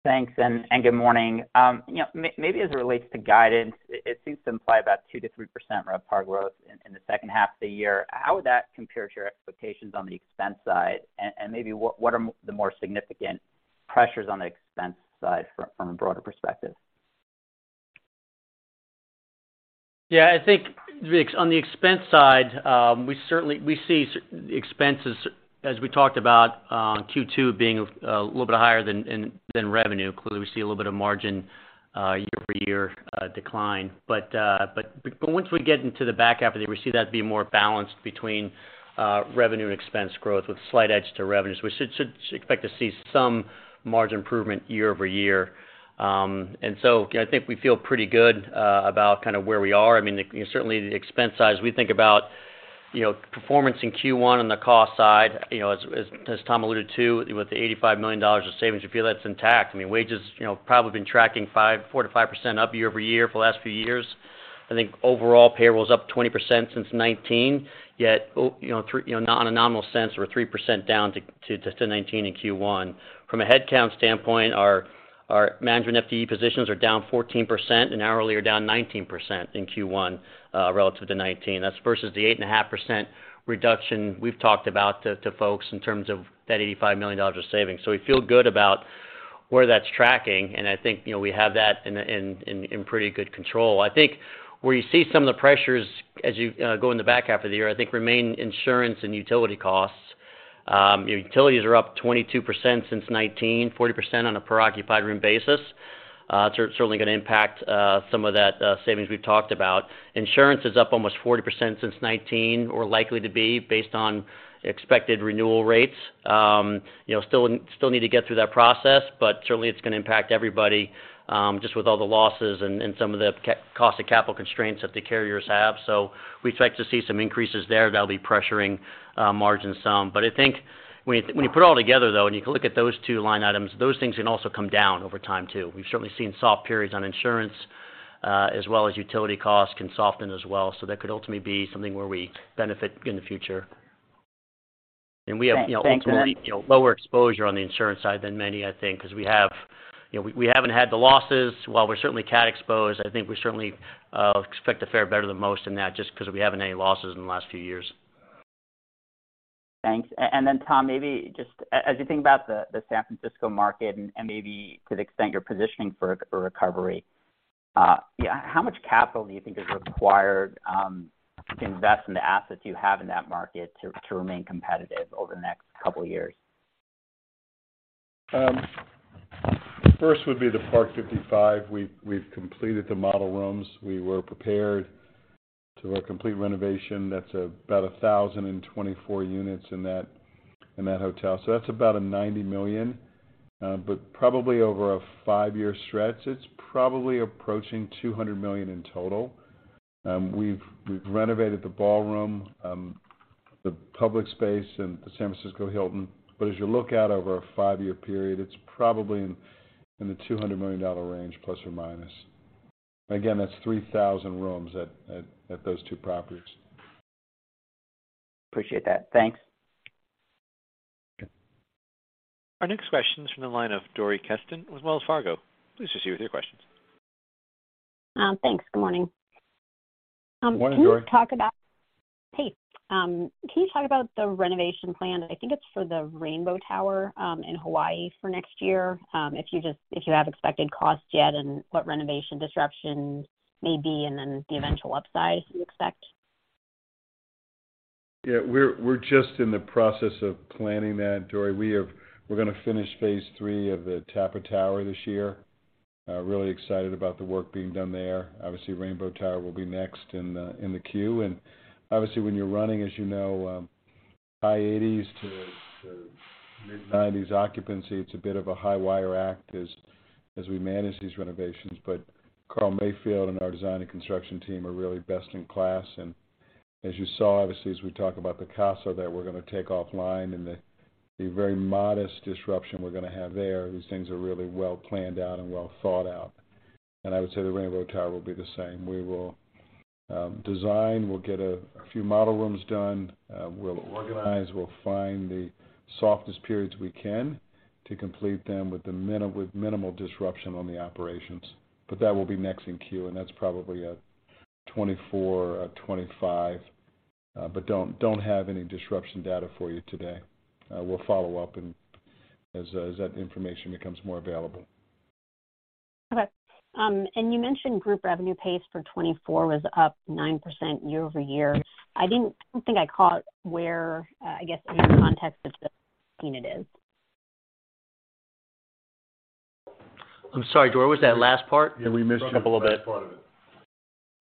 Thanks, and good morning. you know, maybe as it relates to guidance, it seems to imply about 2%-3% RevPAR growth in the second half of the year. How would that compare to your expectations on the expense side? Maybe what are the more significant pressures on the expense side from a broader perspective? Yeah, I think on the expense side, we certainly see the expenses as we talked about, Q2 being a little bit higher than revenue. Clearly, we see a little bit of margin year-over-year decline. Once we get into the back half of the year, we see that being more balanced between revenue and expense growth with slight edge to revenues. We should expect to see some margin improvement year-over-year. So, you know, I think we feel pretty good about kinda where we are. I mean, you know, certainly the expense side, as we think about, you know, performance in Q1 on the cost side, you know, as Tom alluded to, with the $85 million of savings, we feel that's intact. I mean, wages, you know, probably been tracking 4%-5% up year-over-year for the last few years. I think overall payroll is up 20% since 2019, yet, you know, on a nominal sense, we're 3% down to 2019 in Q1. From a headcount standpoint, our management FTE positions are down 14% and hourly are down 19% in Q1, relative to 2019. That's versus the 8.5% reduction we've talked about to folks in terms of that $85 million of savings. We feel good about where that's tracking, and I think, you know, we have that in pretty good control. I think where you see some of the pressures as you go in the back half of the year, I think remain insurance and utility costs. Utilities are up 22% since 2019, 40% on a per occupied room basis. It's certainly gonna impact some of that savings we've talked about. Insurance is up almost 40% since 2019, or likely to be based on expected renewal rates. You know, still need to get through that process, but certainly it's gonna impact everybody, just with all the losses and some of the cost of capital constraints that the carriers have. We expect to see some increases there that'll be pressuring margin some. I think when you put it all together, though, and you look at those two line items, those things can also come down over time too. We've certainly seen soft periods on insurance, as well as utility costs can soften as well. That could ultimately be something where we benefit in the future. We have, you know, ultimately, you know, lower exposure on the insurance side than many, I think, because we have. You know, we haven't had the losses. While we're certainly cat exposed, I think we certainly expect to fare better than most in that just because we haven't had any losses in the last few years. Thanks. Then Tom, maybe just as you think about the San Francisco market and maybe to the extent you're positioning for a recovery, how much capital do you think is required to invest in the assets you have in that market to remain competitive over the next couple of years? First would be the Parc 55. We've completed the model rooms. We were prepared to a complete renovation. That's about 1,024 units in that hotel. That's about $90 million, but probably over a five-year stretch, it's probably approaching $200 million in total. We've renovated the ballroom, the public space in the San Francisco Hilton. As you look out over a five-year period, it's probably in the $200 million range, plus or minus. Again, that's 3,000 rooms at those two properties. Appreciate that. Thanks. Okay. Our next question is from the line of Dori Kesten with Wells Fargo. Please proceed with your questions. Thanks. Good morning. Morning, Dori. Can you talk about the renovation plan? I think it's for the Rainbow Tower, in Hawaii for next year. If you have expected costs yet and what renovation disruptions may be and then the eventual upside you expect? Yeah. We're just in the process of planning that, Dori. We're gonna finish phase three of the Tapa Tower this year. Really excited about the work being done there. Obviously, Rainbow Tower will be next in the queue. Obviously, when you're running, as you know, high 80s to mid-90s occupancy, it's a bit of a high wire act as we manage these renovations. Carl Mayfield and our design and construction team are really best in class. As you saw, obviously, as we talk about Picasso, that we're gonna take offline and the very modest disruption we're gonna have there, these things are really well planned out and well thought out. I would say the Rainbow Tower will be the same. We will design, we'll get a few model rooms done, we'll organize, we'll find the softest periods we can to complete them with minimal disruption on the operations. That will be next in queue, and that's probably a 2024, a 2025. Don't have any disruption data for you today. We'll follow up as that information becomes more available. Okay. You mentioned group revenue pace for 2024 was up 9% year-over-year. I don't think I caught where, I guess in what context of the it is? I'm sorry, Dori, what was that last part? We missed it a little bit. The last part of it.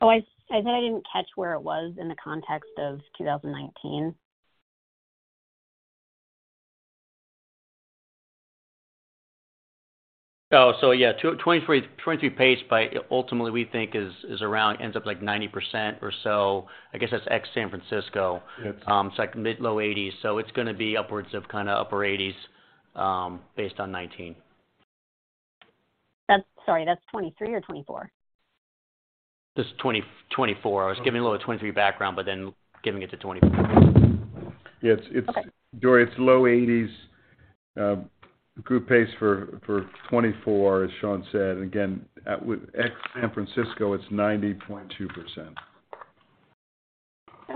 Oh, I said I didn't catch where it was in the context of 2019. Yeah, 2023 pace by ultimately we think is around ends up like 90% or so. I guess that's ex San Francisco. Yes. It's like mid-low 80s. It's gonna be upwards of kinda upper 80s, based on 2019. Sorry, that's 2023 or 2024? 2024. I was giving a little of the 2023 background, giving it to 2024. Yes. Okay. Dori, it's low 80s, group pace for 2024, as Sean said. Again, with ex San Francisco, it's 90.2%.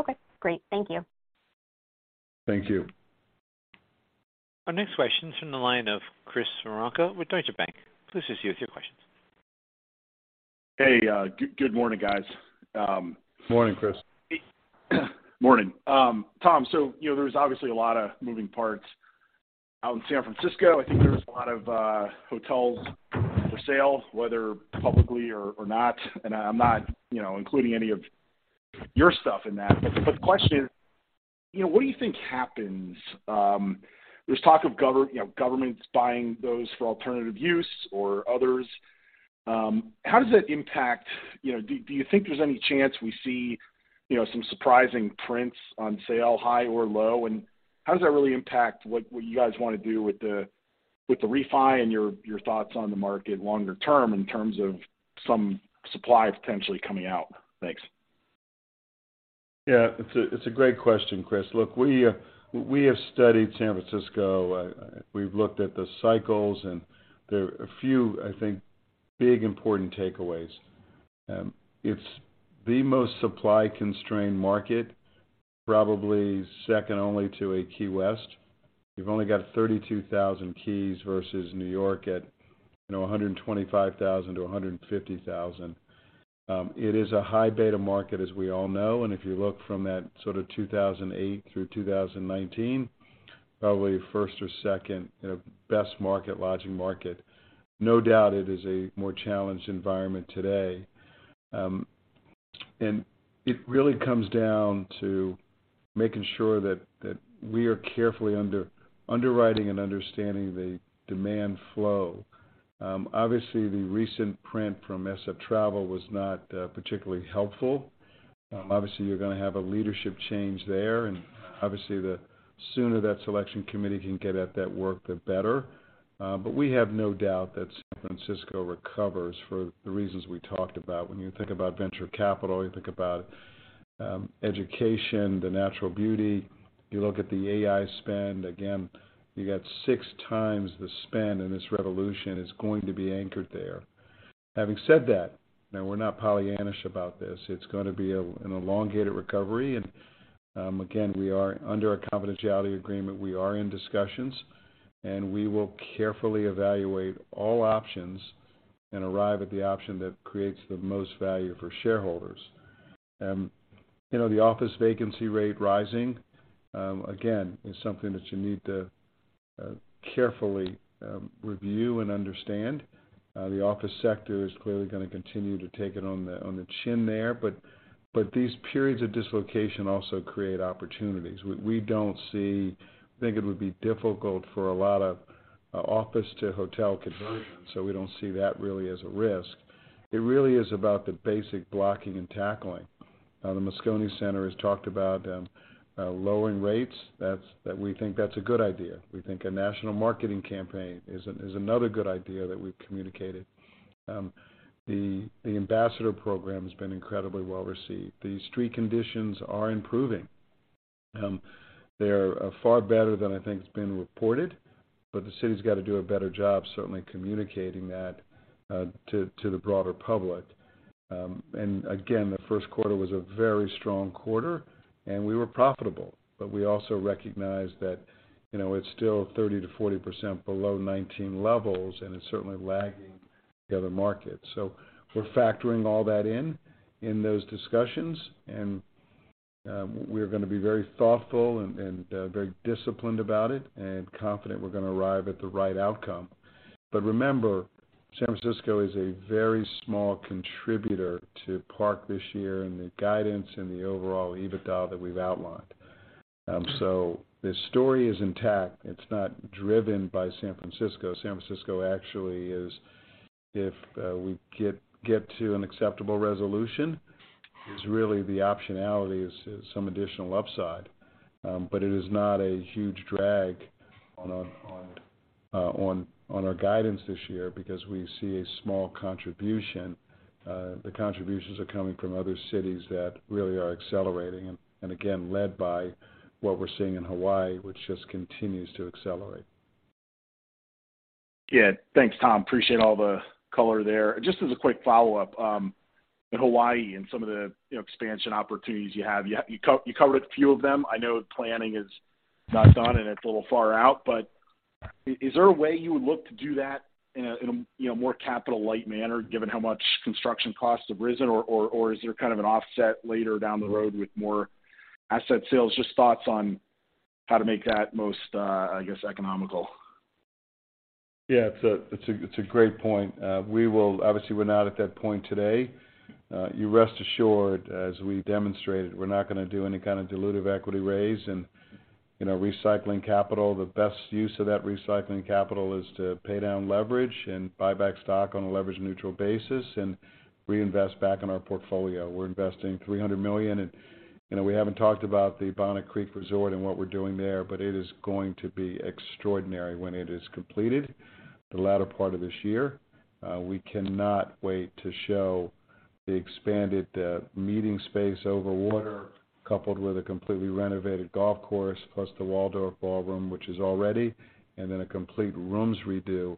Okay, great. Thank you. Thank you. Our next question is from the line of Chris Woronka with Deutsche Bank. Please proceed with your questions. Hey, good morning, guys. Morning, Chris. Morning. Tom, you know there's obviously a lot of moving parts out in San Francisco. I think there's a lot of hotels for sale, whether publicly or not, and I'm not, you know, including any of your stuff in that. The question is, you know, what do you think happens? There's talk of governments buying those for alternative use or others. How does that impact, you know, do you think there's any chance we see, you know, some surprising prints on sale, high or low? How does that really impact what you guys wanna do with the refi and your thoughts on the market longer term in terms of some supply potentially coming out? Thanks. It's a great question, Chris. Look, we have studied San Francisco. We've looked at the cycles, and there are a few, I think, big important takeaways. It's the most supply-constrained market, probably second only to a Key West. You've only got 32,000 keys versus New York at, you know, 125,000 to 150,000. It is a high beta market, as we all know. If you look from that sort of 2008 through 2019, probably first or second, you know, best market, lodging market. No doubt it is a more challenged environment today. And it really comes down to making sure that we are carefully underwriting and understanding the demand flow. Obviously, the recent print from SF Travel was not particularly helpful. Obviously, you're going to have a leadership change there, the sooner that selection committee can get at that work, the better. We have no doubt that San Francisco recovers for the reasons we talked about. When you think about venture capital, you think about education, the natural beauty. You look at the AI spend, again, you got six times the spend, this revolution is going to be anchored there. Having said that, now we're not Pollyannish about this. It's going to be an elongated recovery again, we are under a confidentiality agreement. We are in discussions, we will carefully evaluate all options and arrive at the option that creates the most value for shareholders. You know, the office vacancy rate rising, again, is something that you need to carefully review and understand. The office sector is clearly gonna continue to take it on the chin there, but these periods of dislocation also create opportunities. It would be difficult for a lot of office-to-hotel conversions, so we don't see that really as a risk. It really is about the basic blocking and tackling. The Moscone Center has talked about lowering rates. That we think that's a good idea. We think a national marketing campaign is another good idea that we've communicated. The ambassador program has been incredibly well-received. The street conditions are improving. They're far better than I think it's been reported, but the city's got to do a better job, certainly communicating that to the broader public. Again, the first quarter was a very strong quarter, and we were profitable. We also recognize that, you know, it's still 30% to 40% below 2019 levels, and it's certainly lagging the other markets. We're factoring all that in in those discussions, and we're gonna be very thoughtful and very disciplined about it and confident we're gonna arrive at the right outcome. Remember, San Francisco is a very small contributor to Park this year and the guidance and the overall EBITDA that we've outlined. The story is intact. It's not driven by San Francisco. San Francisco actually is, if we get to an acceptable resolution, is really the optionality is some additional upside. It is not a huge drag on our guidance this year because we see a small contribution. The contributions are coming from other cities that really are accelerating and again, led by what we're seeing in Hawaii, which just continues to accelerate. Yeah. Thanks, Tom. Appreciate all the color there. Just as a quick follow-up, in Hawaii and some of the, you know, expansion opportunities you have. You covered a few of them. I know planning is not done and it's a little far out, but is there a way you would look to do that in a, in a, you know, more capital light manner given how much construction costs have risen? Or is there kind of an offset later down the road with more asset sales? Just thoughts on how to make that most, I guess, economical. Yeah, it's a great point. Obviously, we're not at that point today. You rest assured, as we demonstrated, we're not gonna do any kind of dilutive equity raise and, you know, recycling capital. The best use of that recycling capital is to pay down leverage and buy back stock on a leverage neutral basis and reinvest back in our portfolio. We're investing $300 million and, you know, we haven't talked about the Bonnet Creek Resort and what we're doing there, but it is going to be extraordinary when it is completed the latter part of this year. We cannot wait to show the expanded meeting space over water coupled with a completely renovated golf course, plus the Waldorf Ballroom, which is already, and then a complete rooms redo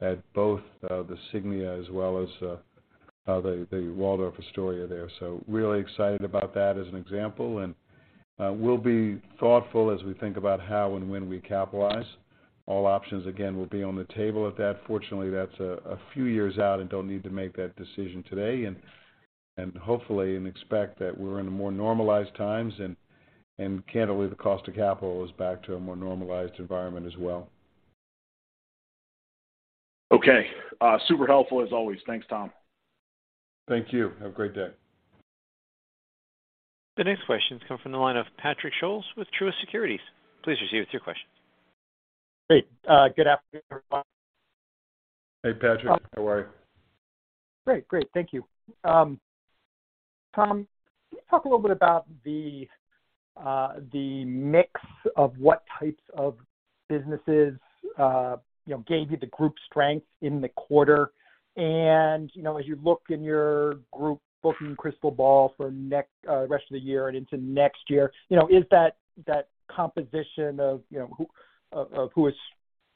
at both the Signia as well as the Waldorf Astoria there. Really excited about that as an example, and we'll be thoughtful as we think about how and when we capitalize. All options, again, will be on the table at that. Fortunately, that's a few years out and don't need to make that decision today. Hopefully, and expect that we're in a more normalized times and candidly, the cost of capital is back to a more normalized environment as well. Okay. super helpful as always. Thanks, Tom. Thank you. Have a great day. The next question's come from the line of Patrick Scholes with Truist Securities. Please proceed with your question. Great. Good afternoon, everyone. Hey, Patrick. How are you? Great. Great. Thank you. Tom, can you talk a little bit about the mix of what types of businesses, you know, gave you the group strength in the quarter. You know, as you look in your group booking crystal ball for next, rest of the year and into next year, you know, is that composition of, you know, who, of who is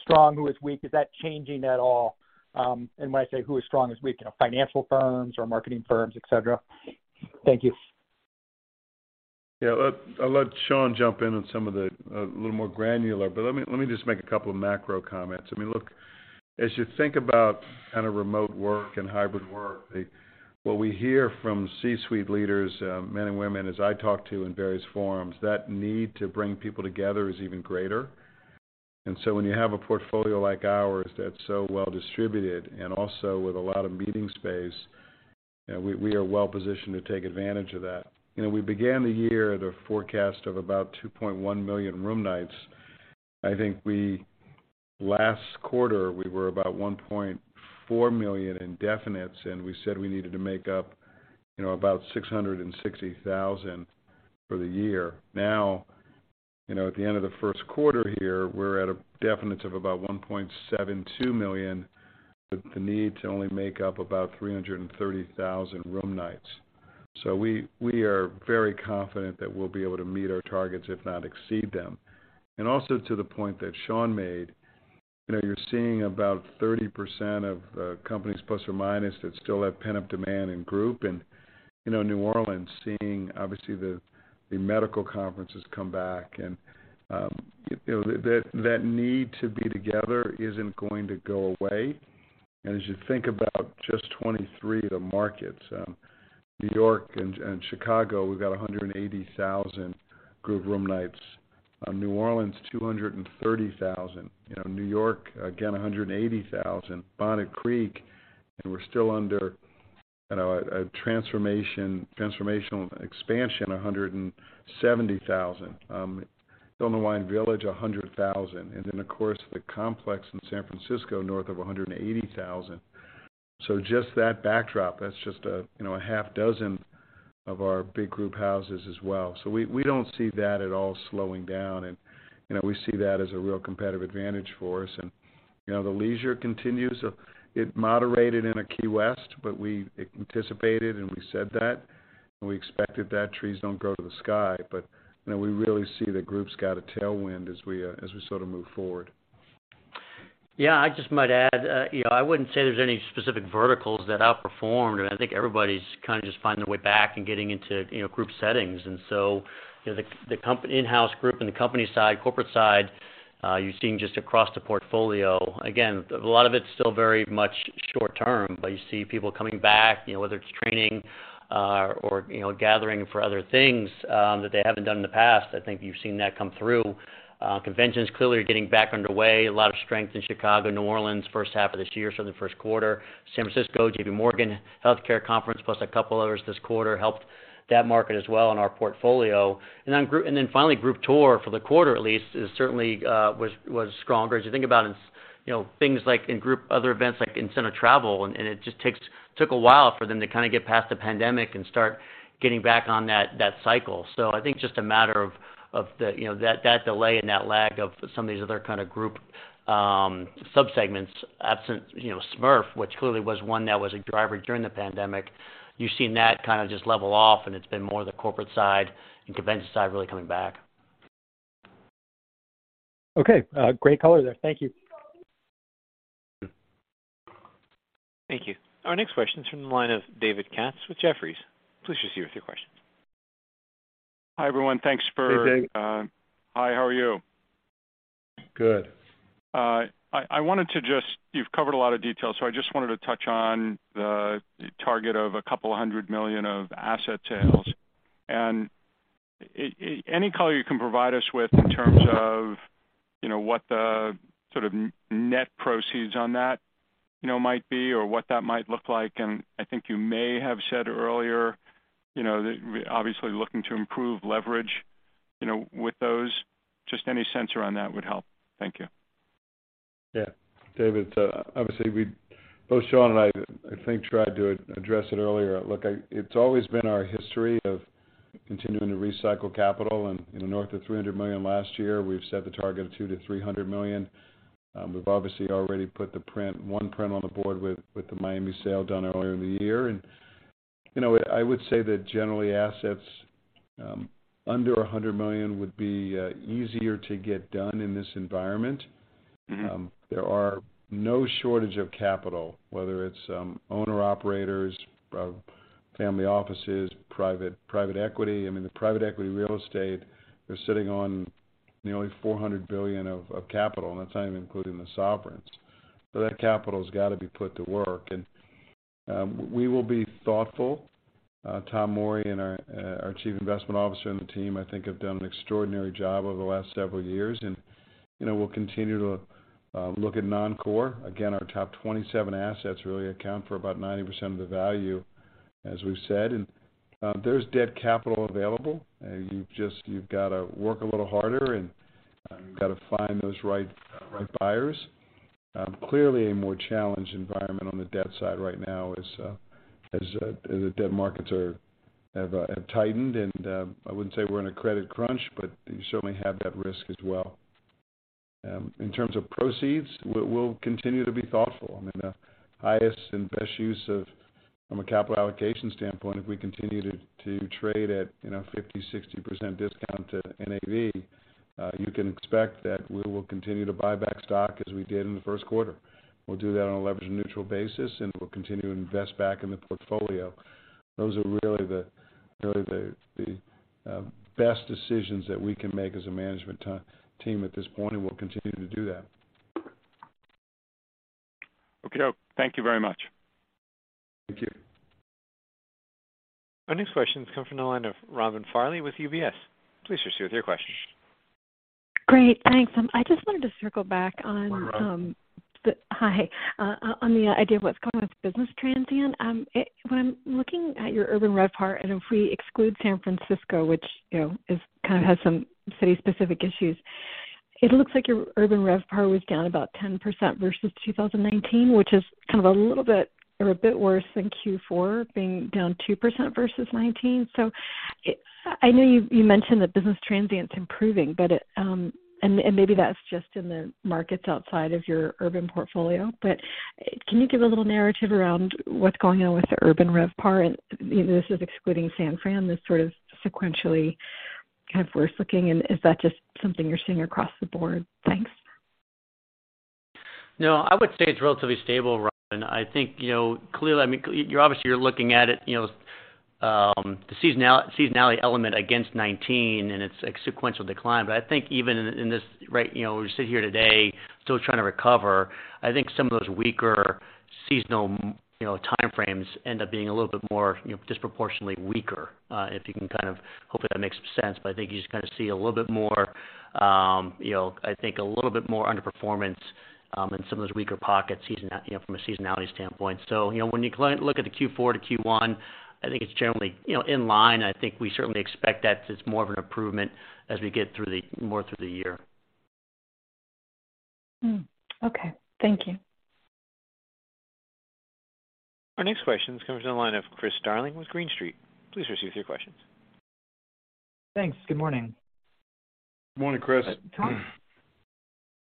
strong, who is weak, is that changing at all? And when I say who is strong, who is weak, you know, financial firms or marketing firms, et cetera. Thank you. Yeah. I'll let Sean jump in on some of the little more granular, but let me just make a couple of macro comments. I mean, look, as you think about kind of remote work and hybrid work, the what we hear from C-suite leaders, men and women, as I talk to in various forums, that need to bring people together is even greater. When you have a portfolio like ours that's so well distributed and also with a lot of meeting space, we are well positioned to take advantage of that. You know, we began the year at a forecast of about 2.1 million room nights. I think last quarter, we were about 1.4 million in definites, and we said we needed to make up, you know, about 660,000 for the year. You know, at the end of the first quarter here, we're at a definites of about $1.72 million, with the need to only make up about 330,000 room nights. We are very confident that we'll be able to meet our targets, if not exceed them. Also to the point that Sean made, you know, you're seeing about 30% of companies, plus or minus, that still have pent-up demand in group. You know, New Orleans seeing obviously the medical conferences come back and, you know, that need to be together isn't going to go away. As you think about just 2023, the markets, New York and Chicago, we've got 180,000 group room nights. New Orleans, 230,000. You know, New York, again, $180,000. Bonnet Creek, and we're still under, you know, a transformational expansion, $170,000. Sonoma Wine Village, $100,000. Then, of course, the complex in San Francisco, north of $180,000. Just that backdrop, that's just a, you know, a half dozen of our big group houses as well. We don't see that at all slowing down. You know, we see that as a real competitive advantage for us. You know, the leisure continues. It moderated in Key West, but we anticipated and we said that, and we expected that. Trees don't grow to the sky. You know, we really see the group's got a tailwind as we sort of move forward. Yeah. I just might add, you know, I wouldn't say there's any specific verticals that outperformed, and I think everybody's kind of just finding their way back and getting into, you know, group settings. You know, the in-house group and the company side, corporate side, you're seeing just across the portfolio. Again, a lot of it's still very much short-term, but you see people coming back, you know, whether it's training, or, you know, gathering for other things that they haven't done in the past. I think you've seen that come through. Conventions clearly are getting back underway. A lot of strength in Chicago, New Orleans first half of this year, so the first quarter. San Francisco, JPMorgan Healthcare Conference, plus a couple others this quarter helped that market as well in our portfolio. Finally, group tour for the quarter at least is certainly was stronger. As you think about you know, things like in group, other events like incentive travel, and it just took a while for them to kind of get past the pandemic and start getting back on that cycle. I think just a matter of the, you know, that delay and that lag of some of these other kind of group subsegments, absent, you know, SMERF, which clearly was one that was a driver during the pandemic. You've seen that kind of just level off, and it's been more the corporate side and convention side really coming back. Okay. great color there. Thank you. Mm-hmm. Thank you. Our next question is from the line of David Katz with Jefferies. Please proceed with your question. Hi, everyone. Thanks. Hey, Dave. Hi, how are you? Good. You've covered a lot of details, so I just wanted to touch on the target of a couple hundred million of asset sales. Any color you can provide us with in terms of, you know, what the sort of net proceeds on that, you know, might be or what that might look like. I think you may have said earlier, you know, that obviously looking to improve leverage, you know, with those. Just any sensor on that would help. Thank you. Yeah. David, obviously, both Sean and I think, tried to address it earlier. Look, it's always been our history of continuing to recycle capital and, you know, north of $300 million last year. We've set the target of $200 million-$300 million. We've obviously already put the print, one print on the board with the Miami sale done earlier in the year. You know, I would say that generally assets under $100 million would be easier to get done in this environment. Mm-hmm. There are no shortage of capital, whether it's owner-operators, family offices, private equity. I mean, the private equity real estate is sitting on nearly $400 billion of capital, and that's not even including the sovereigns. That capital's got to be put to work, and we will be thoughtful. Tom Morey and our Chief Investment Officer and the team, I think have done an extraordinary job over the last several years and, you know, we'll continue to look at non-core. Again, our top 27 assets really account for about 90% of the value, as we've said. There's debt capital available. You've got to work a little harder, and you've got to find those right buyers. Clearly a more challenged environment on the debt side right now as the debt markets have tightened, and I wouldn't say we're in a credit crunch, but you certainly have that risk as well. In terms of proceeds, we'll continue to be thoughtful. I mean, the highest and best use of from a capital allocation standpoint, if we continue to trade at, you know, 50%, 60% discount to NAV, you can expect that we will continue to buy back stock as we did in the first quarter. We'll do that on a leverage neutral basis, and we'll continue to invest back in the portfolio. Those are really the best decisions that we can make as a management team at this point, and we'll continue to do that. Okay. Thank you very much. Thank you. Our next question has come from the line of Robin Farley with UBS. Please proceed with your question. Great. Thanks. I just wanted to circle back on. Hi, Robin. Hi. On the idea of what's going on with business transient. When I'm looking at your urban RevPAR, and if we exclude San Francisco, which, you know, is kind of has some city specific issues, it looks like your urban RevPAR was down about 10% versus 2019, which is kind of a little bit or a bit worse than Q4 being down 2% versus 2019. I know you mentioned that business transient's improving, but it, and maybe that's just in the markets outside of your urban portfolio, but, can you give a little narrative around what's going on with the urban RevPAR? You know, this is excluding San Fran, this sort of sequentially kind of worse looking. Is that just something you're seeing across the board? Thanks. I would say it's relatively stable, Robin. I think, you know, clearly, I mean, you're obviously looking at it, you know, the seasonality element against 2019 and its sequential decline. I think even in this right, you know, we sit here today still trying to recover. I think some of those weaker seasonal, you know, time frames end up being a little bit more, you know, disproportionately weaker, if you can kind of. Hopefully that makes some sense. I think you just kinda see a little bit more, you know, I think a little bit more underperformance, in some of those weaker pockets, you know, from a seasonality standpoint. When you look at the Q4 to Q1, I think it's generally, you know, in line. I think we certainly expect that it's more of an improvement as we get through the, more through the year. Okay. Thank you. Our next question comes from the line of Chris Darling with Green Street. Please proceed with your questions. Thanks. Good morning. Morning, Chris. Tom.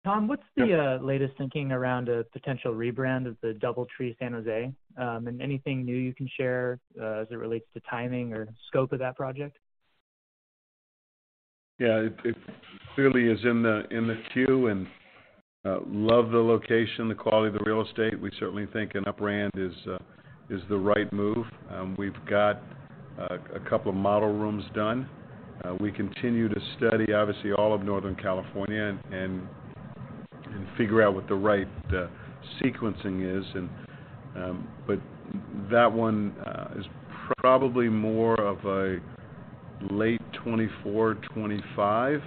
Tom, what's the- Yeah. Latest thinking around a potential rebrand of the DoubleTree San Jose? Anything new you can share as it relates to timing or scope of that project? Yeah. It, it clearly is in the queue, and love the location, the quality of the real estate. We certainly think an upper brand is the right move. We've got a couple of model rooms done. We continue to study obviously all of Northern California and figure out what the right sequencing is. That one is probably more of a late 2024, 2025.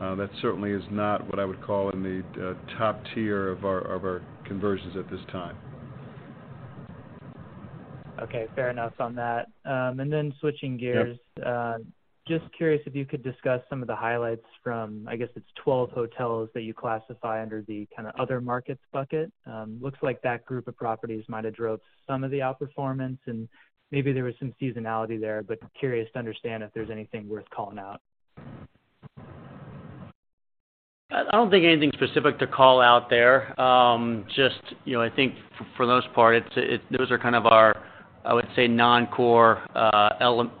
That certainly is not what I would call in the top tier of our conversions at this time. Okay. Fair enough on that. Switching gears. Yeah. Just curious if you could discuss some of the highlights from, I guess it's 12 hotels that you classify under the kinda other markets bucket. Looks like that group of properties might have drove some of the outperformance, and maybe there was some seasonality there, but curious to understand if there's anything worth calling out? I don't think anything specific to call out there. just, you know, I think for the most part it's those are kind of our, I would say, non-core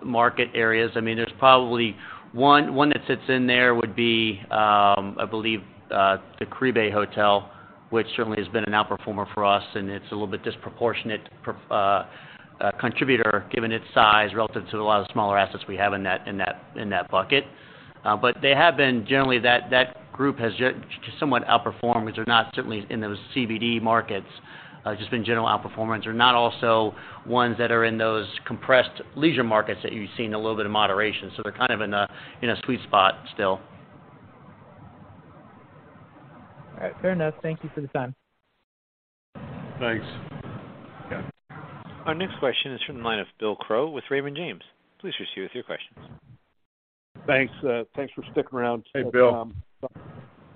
market areas. I mean, there's probably one that sits in there would be, I believe, the Caribe Hotel, which certainly has been an outperformer for us, and it's a little bit disproportionate per contributor given its size relative to a lot of smaller assets we have in that bucket. They have been. Generally that group has just somewhat outperformed, which are not certainly in those CBD markets, just been general outperformance. They're not also ones that are in those compressed leisure markets that you've seen a little bit of moderation. They're kind of in a, in a sweet spot still. All right. Fair enough. Thank you for the time. Thanks. Our next question is from the line of Bill Crow with Raymond James. Please proceed with your questions. Thanks. Thanks for sticking around. Hey, Bill.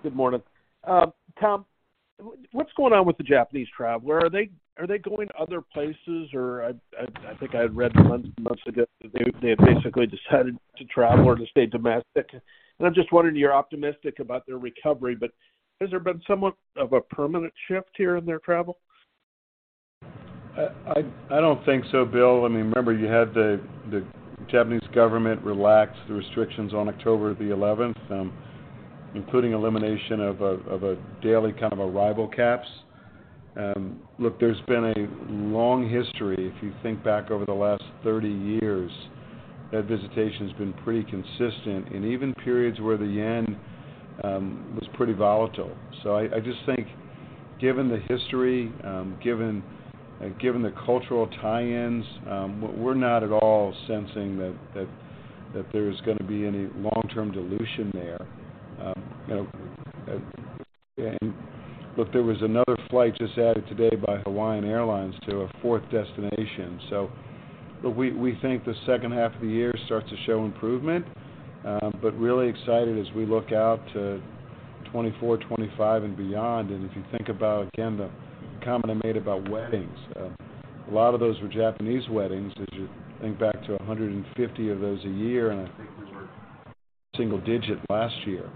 Good morning. Tom, what's going on with the Japanese traveler? Are they going to other places or? I think I had read months ago that they had basically decided to travel or to stay domestic. I'm just wondering, you're optimistic about their recovery, but has there been somewhat of a permanent shift here in their travel? I don't think so, Bill. I mean, remember, you had the Japanese government relax the restrictions on October 11th, including elimination of a daily kind of arrival caps. Look, there's been a long history. If you think back over the last 30 years, that visitation's been pretty consistent in even periods where the yen was pretty volatile. I just think given the history, given the cultural tie-ins, we're not at all sensing that there's gonna be any long-term dilution there. You know, Look, there was another flight just added today by Hawaiian Airlines to a fourth destination. So, look, we think the second half of the year starts to show improvement. Really excited as we look out to 2024, 2025, and beyond. If you think about, again, the comment I made about weddings, a lot of those were Japanese weddings. You think back to 150 of those a year, and I think we were single digit last year.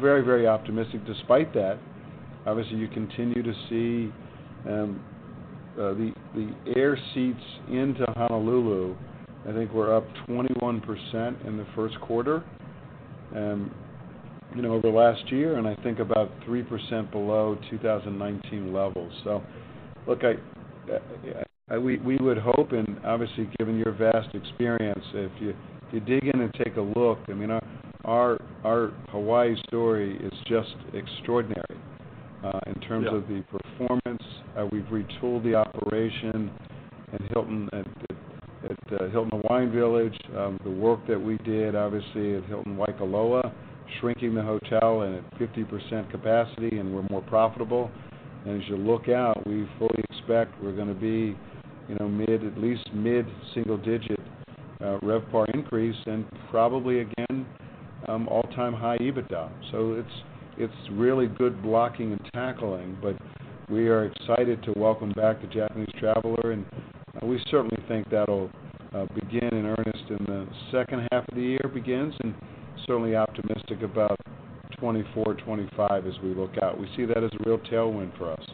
Very, very optimistic. Despite that, obviously, you continue to see, the air seats into Honolulu, I think we're up 21% in the first quarter, you know, over last year. I think about 3% below 2019 levels. Look, I would hope and obviously, given your vast experience, if you dig in and take a look, I mean, our Hawaii story is just extraordinary in terms of the performance. We've retooled the operation at Hilton Hawaiian Village. The work that we did obviously at Hilton Waikoloa, shrinking the hotel and at 50% capacity, and we're more profitable. As you look out, we fully expect we're gonna be, you know, mid, at least mid single digit RevPAR increase and probably again, all-time high EBITDA. It's really good blocking and tackling, but we are excited to welcome back the Japanese traveler, and we certainly think that'll begin in earnest in the second half of the year begins. Certainly optimistic about 2024, 2025 as we look out. We see that as a real tailwind for us.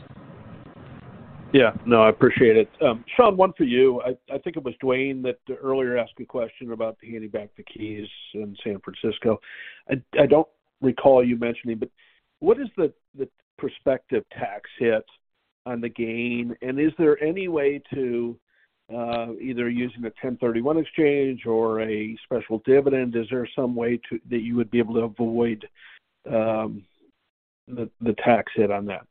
No, I appreciate it. Sean, one for you. I think it was Duane that earlier asked a question about the handing back the keys in San Francisco. I don't recall you mentioning, what is the prospective tax hit on the gain? Is there any way to either using a 1031 exchange or a special dividend, that you would be able to avoid the tax hit on that?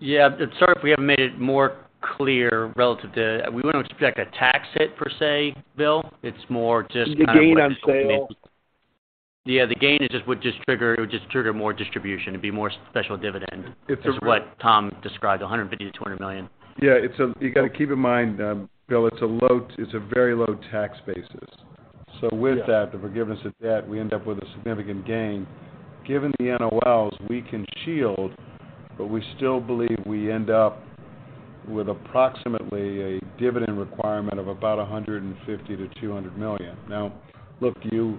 Yeah. Sorry if we haven't made it more clear relative to... We wouldn't expect a tax hit per se, Bill. It's more just- The gain on sale. Yeah, the gain would just trigger more distribution. It'd be more special dividend. It's a- Is what Tom described, $150 million-$200 million. Yeah. It's a. You gotta keep in mind, Bill, it's a very low tax basis. With that, the forgiveness of debt, we end up with a significant gain. Given the NOLs, we can shield, but we still believe we end up with approximately a dividend requirement of about $150 million-$200 million. Now, look, you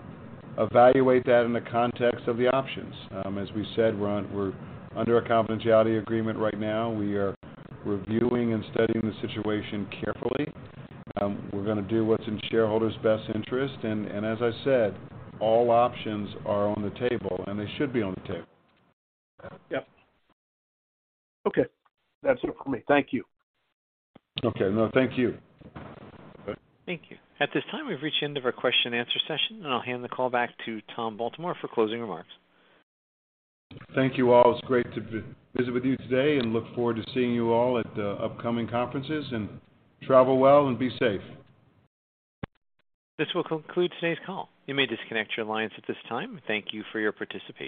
evaluate that in the context of the options. As we said, we're under a confidentiality agreement right now. We are reviewing and studying the situation carefully. We're gonna do what's in shareholders' best interest. As I said, all options are on the table, and they should be on the table. Yeah. Okay. That's it for me. Thank you. Okay. No, thank you. Thank you. At this time, we've reached the end of our question and answer session, I'll hand the call back to Tom Baltimore for closing remarks. Thank you all. It's great to visit with you today and look forward to seeing you all at upcoming conferences. Travel well and be safe. This will conclude today's call. You may disconnect your lines at this time. Thank you for your participation.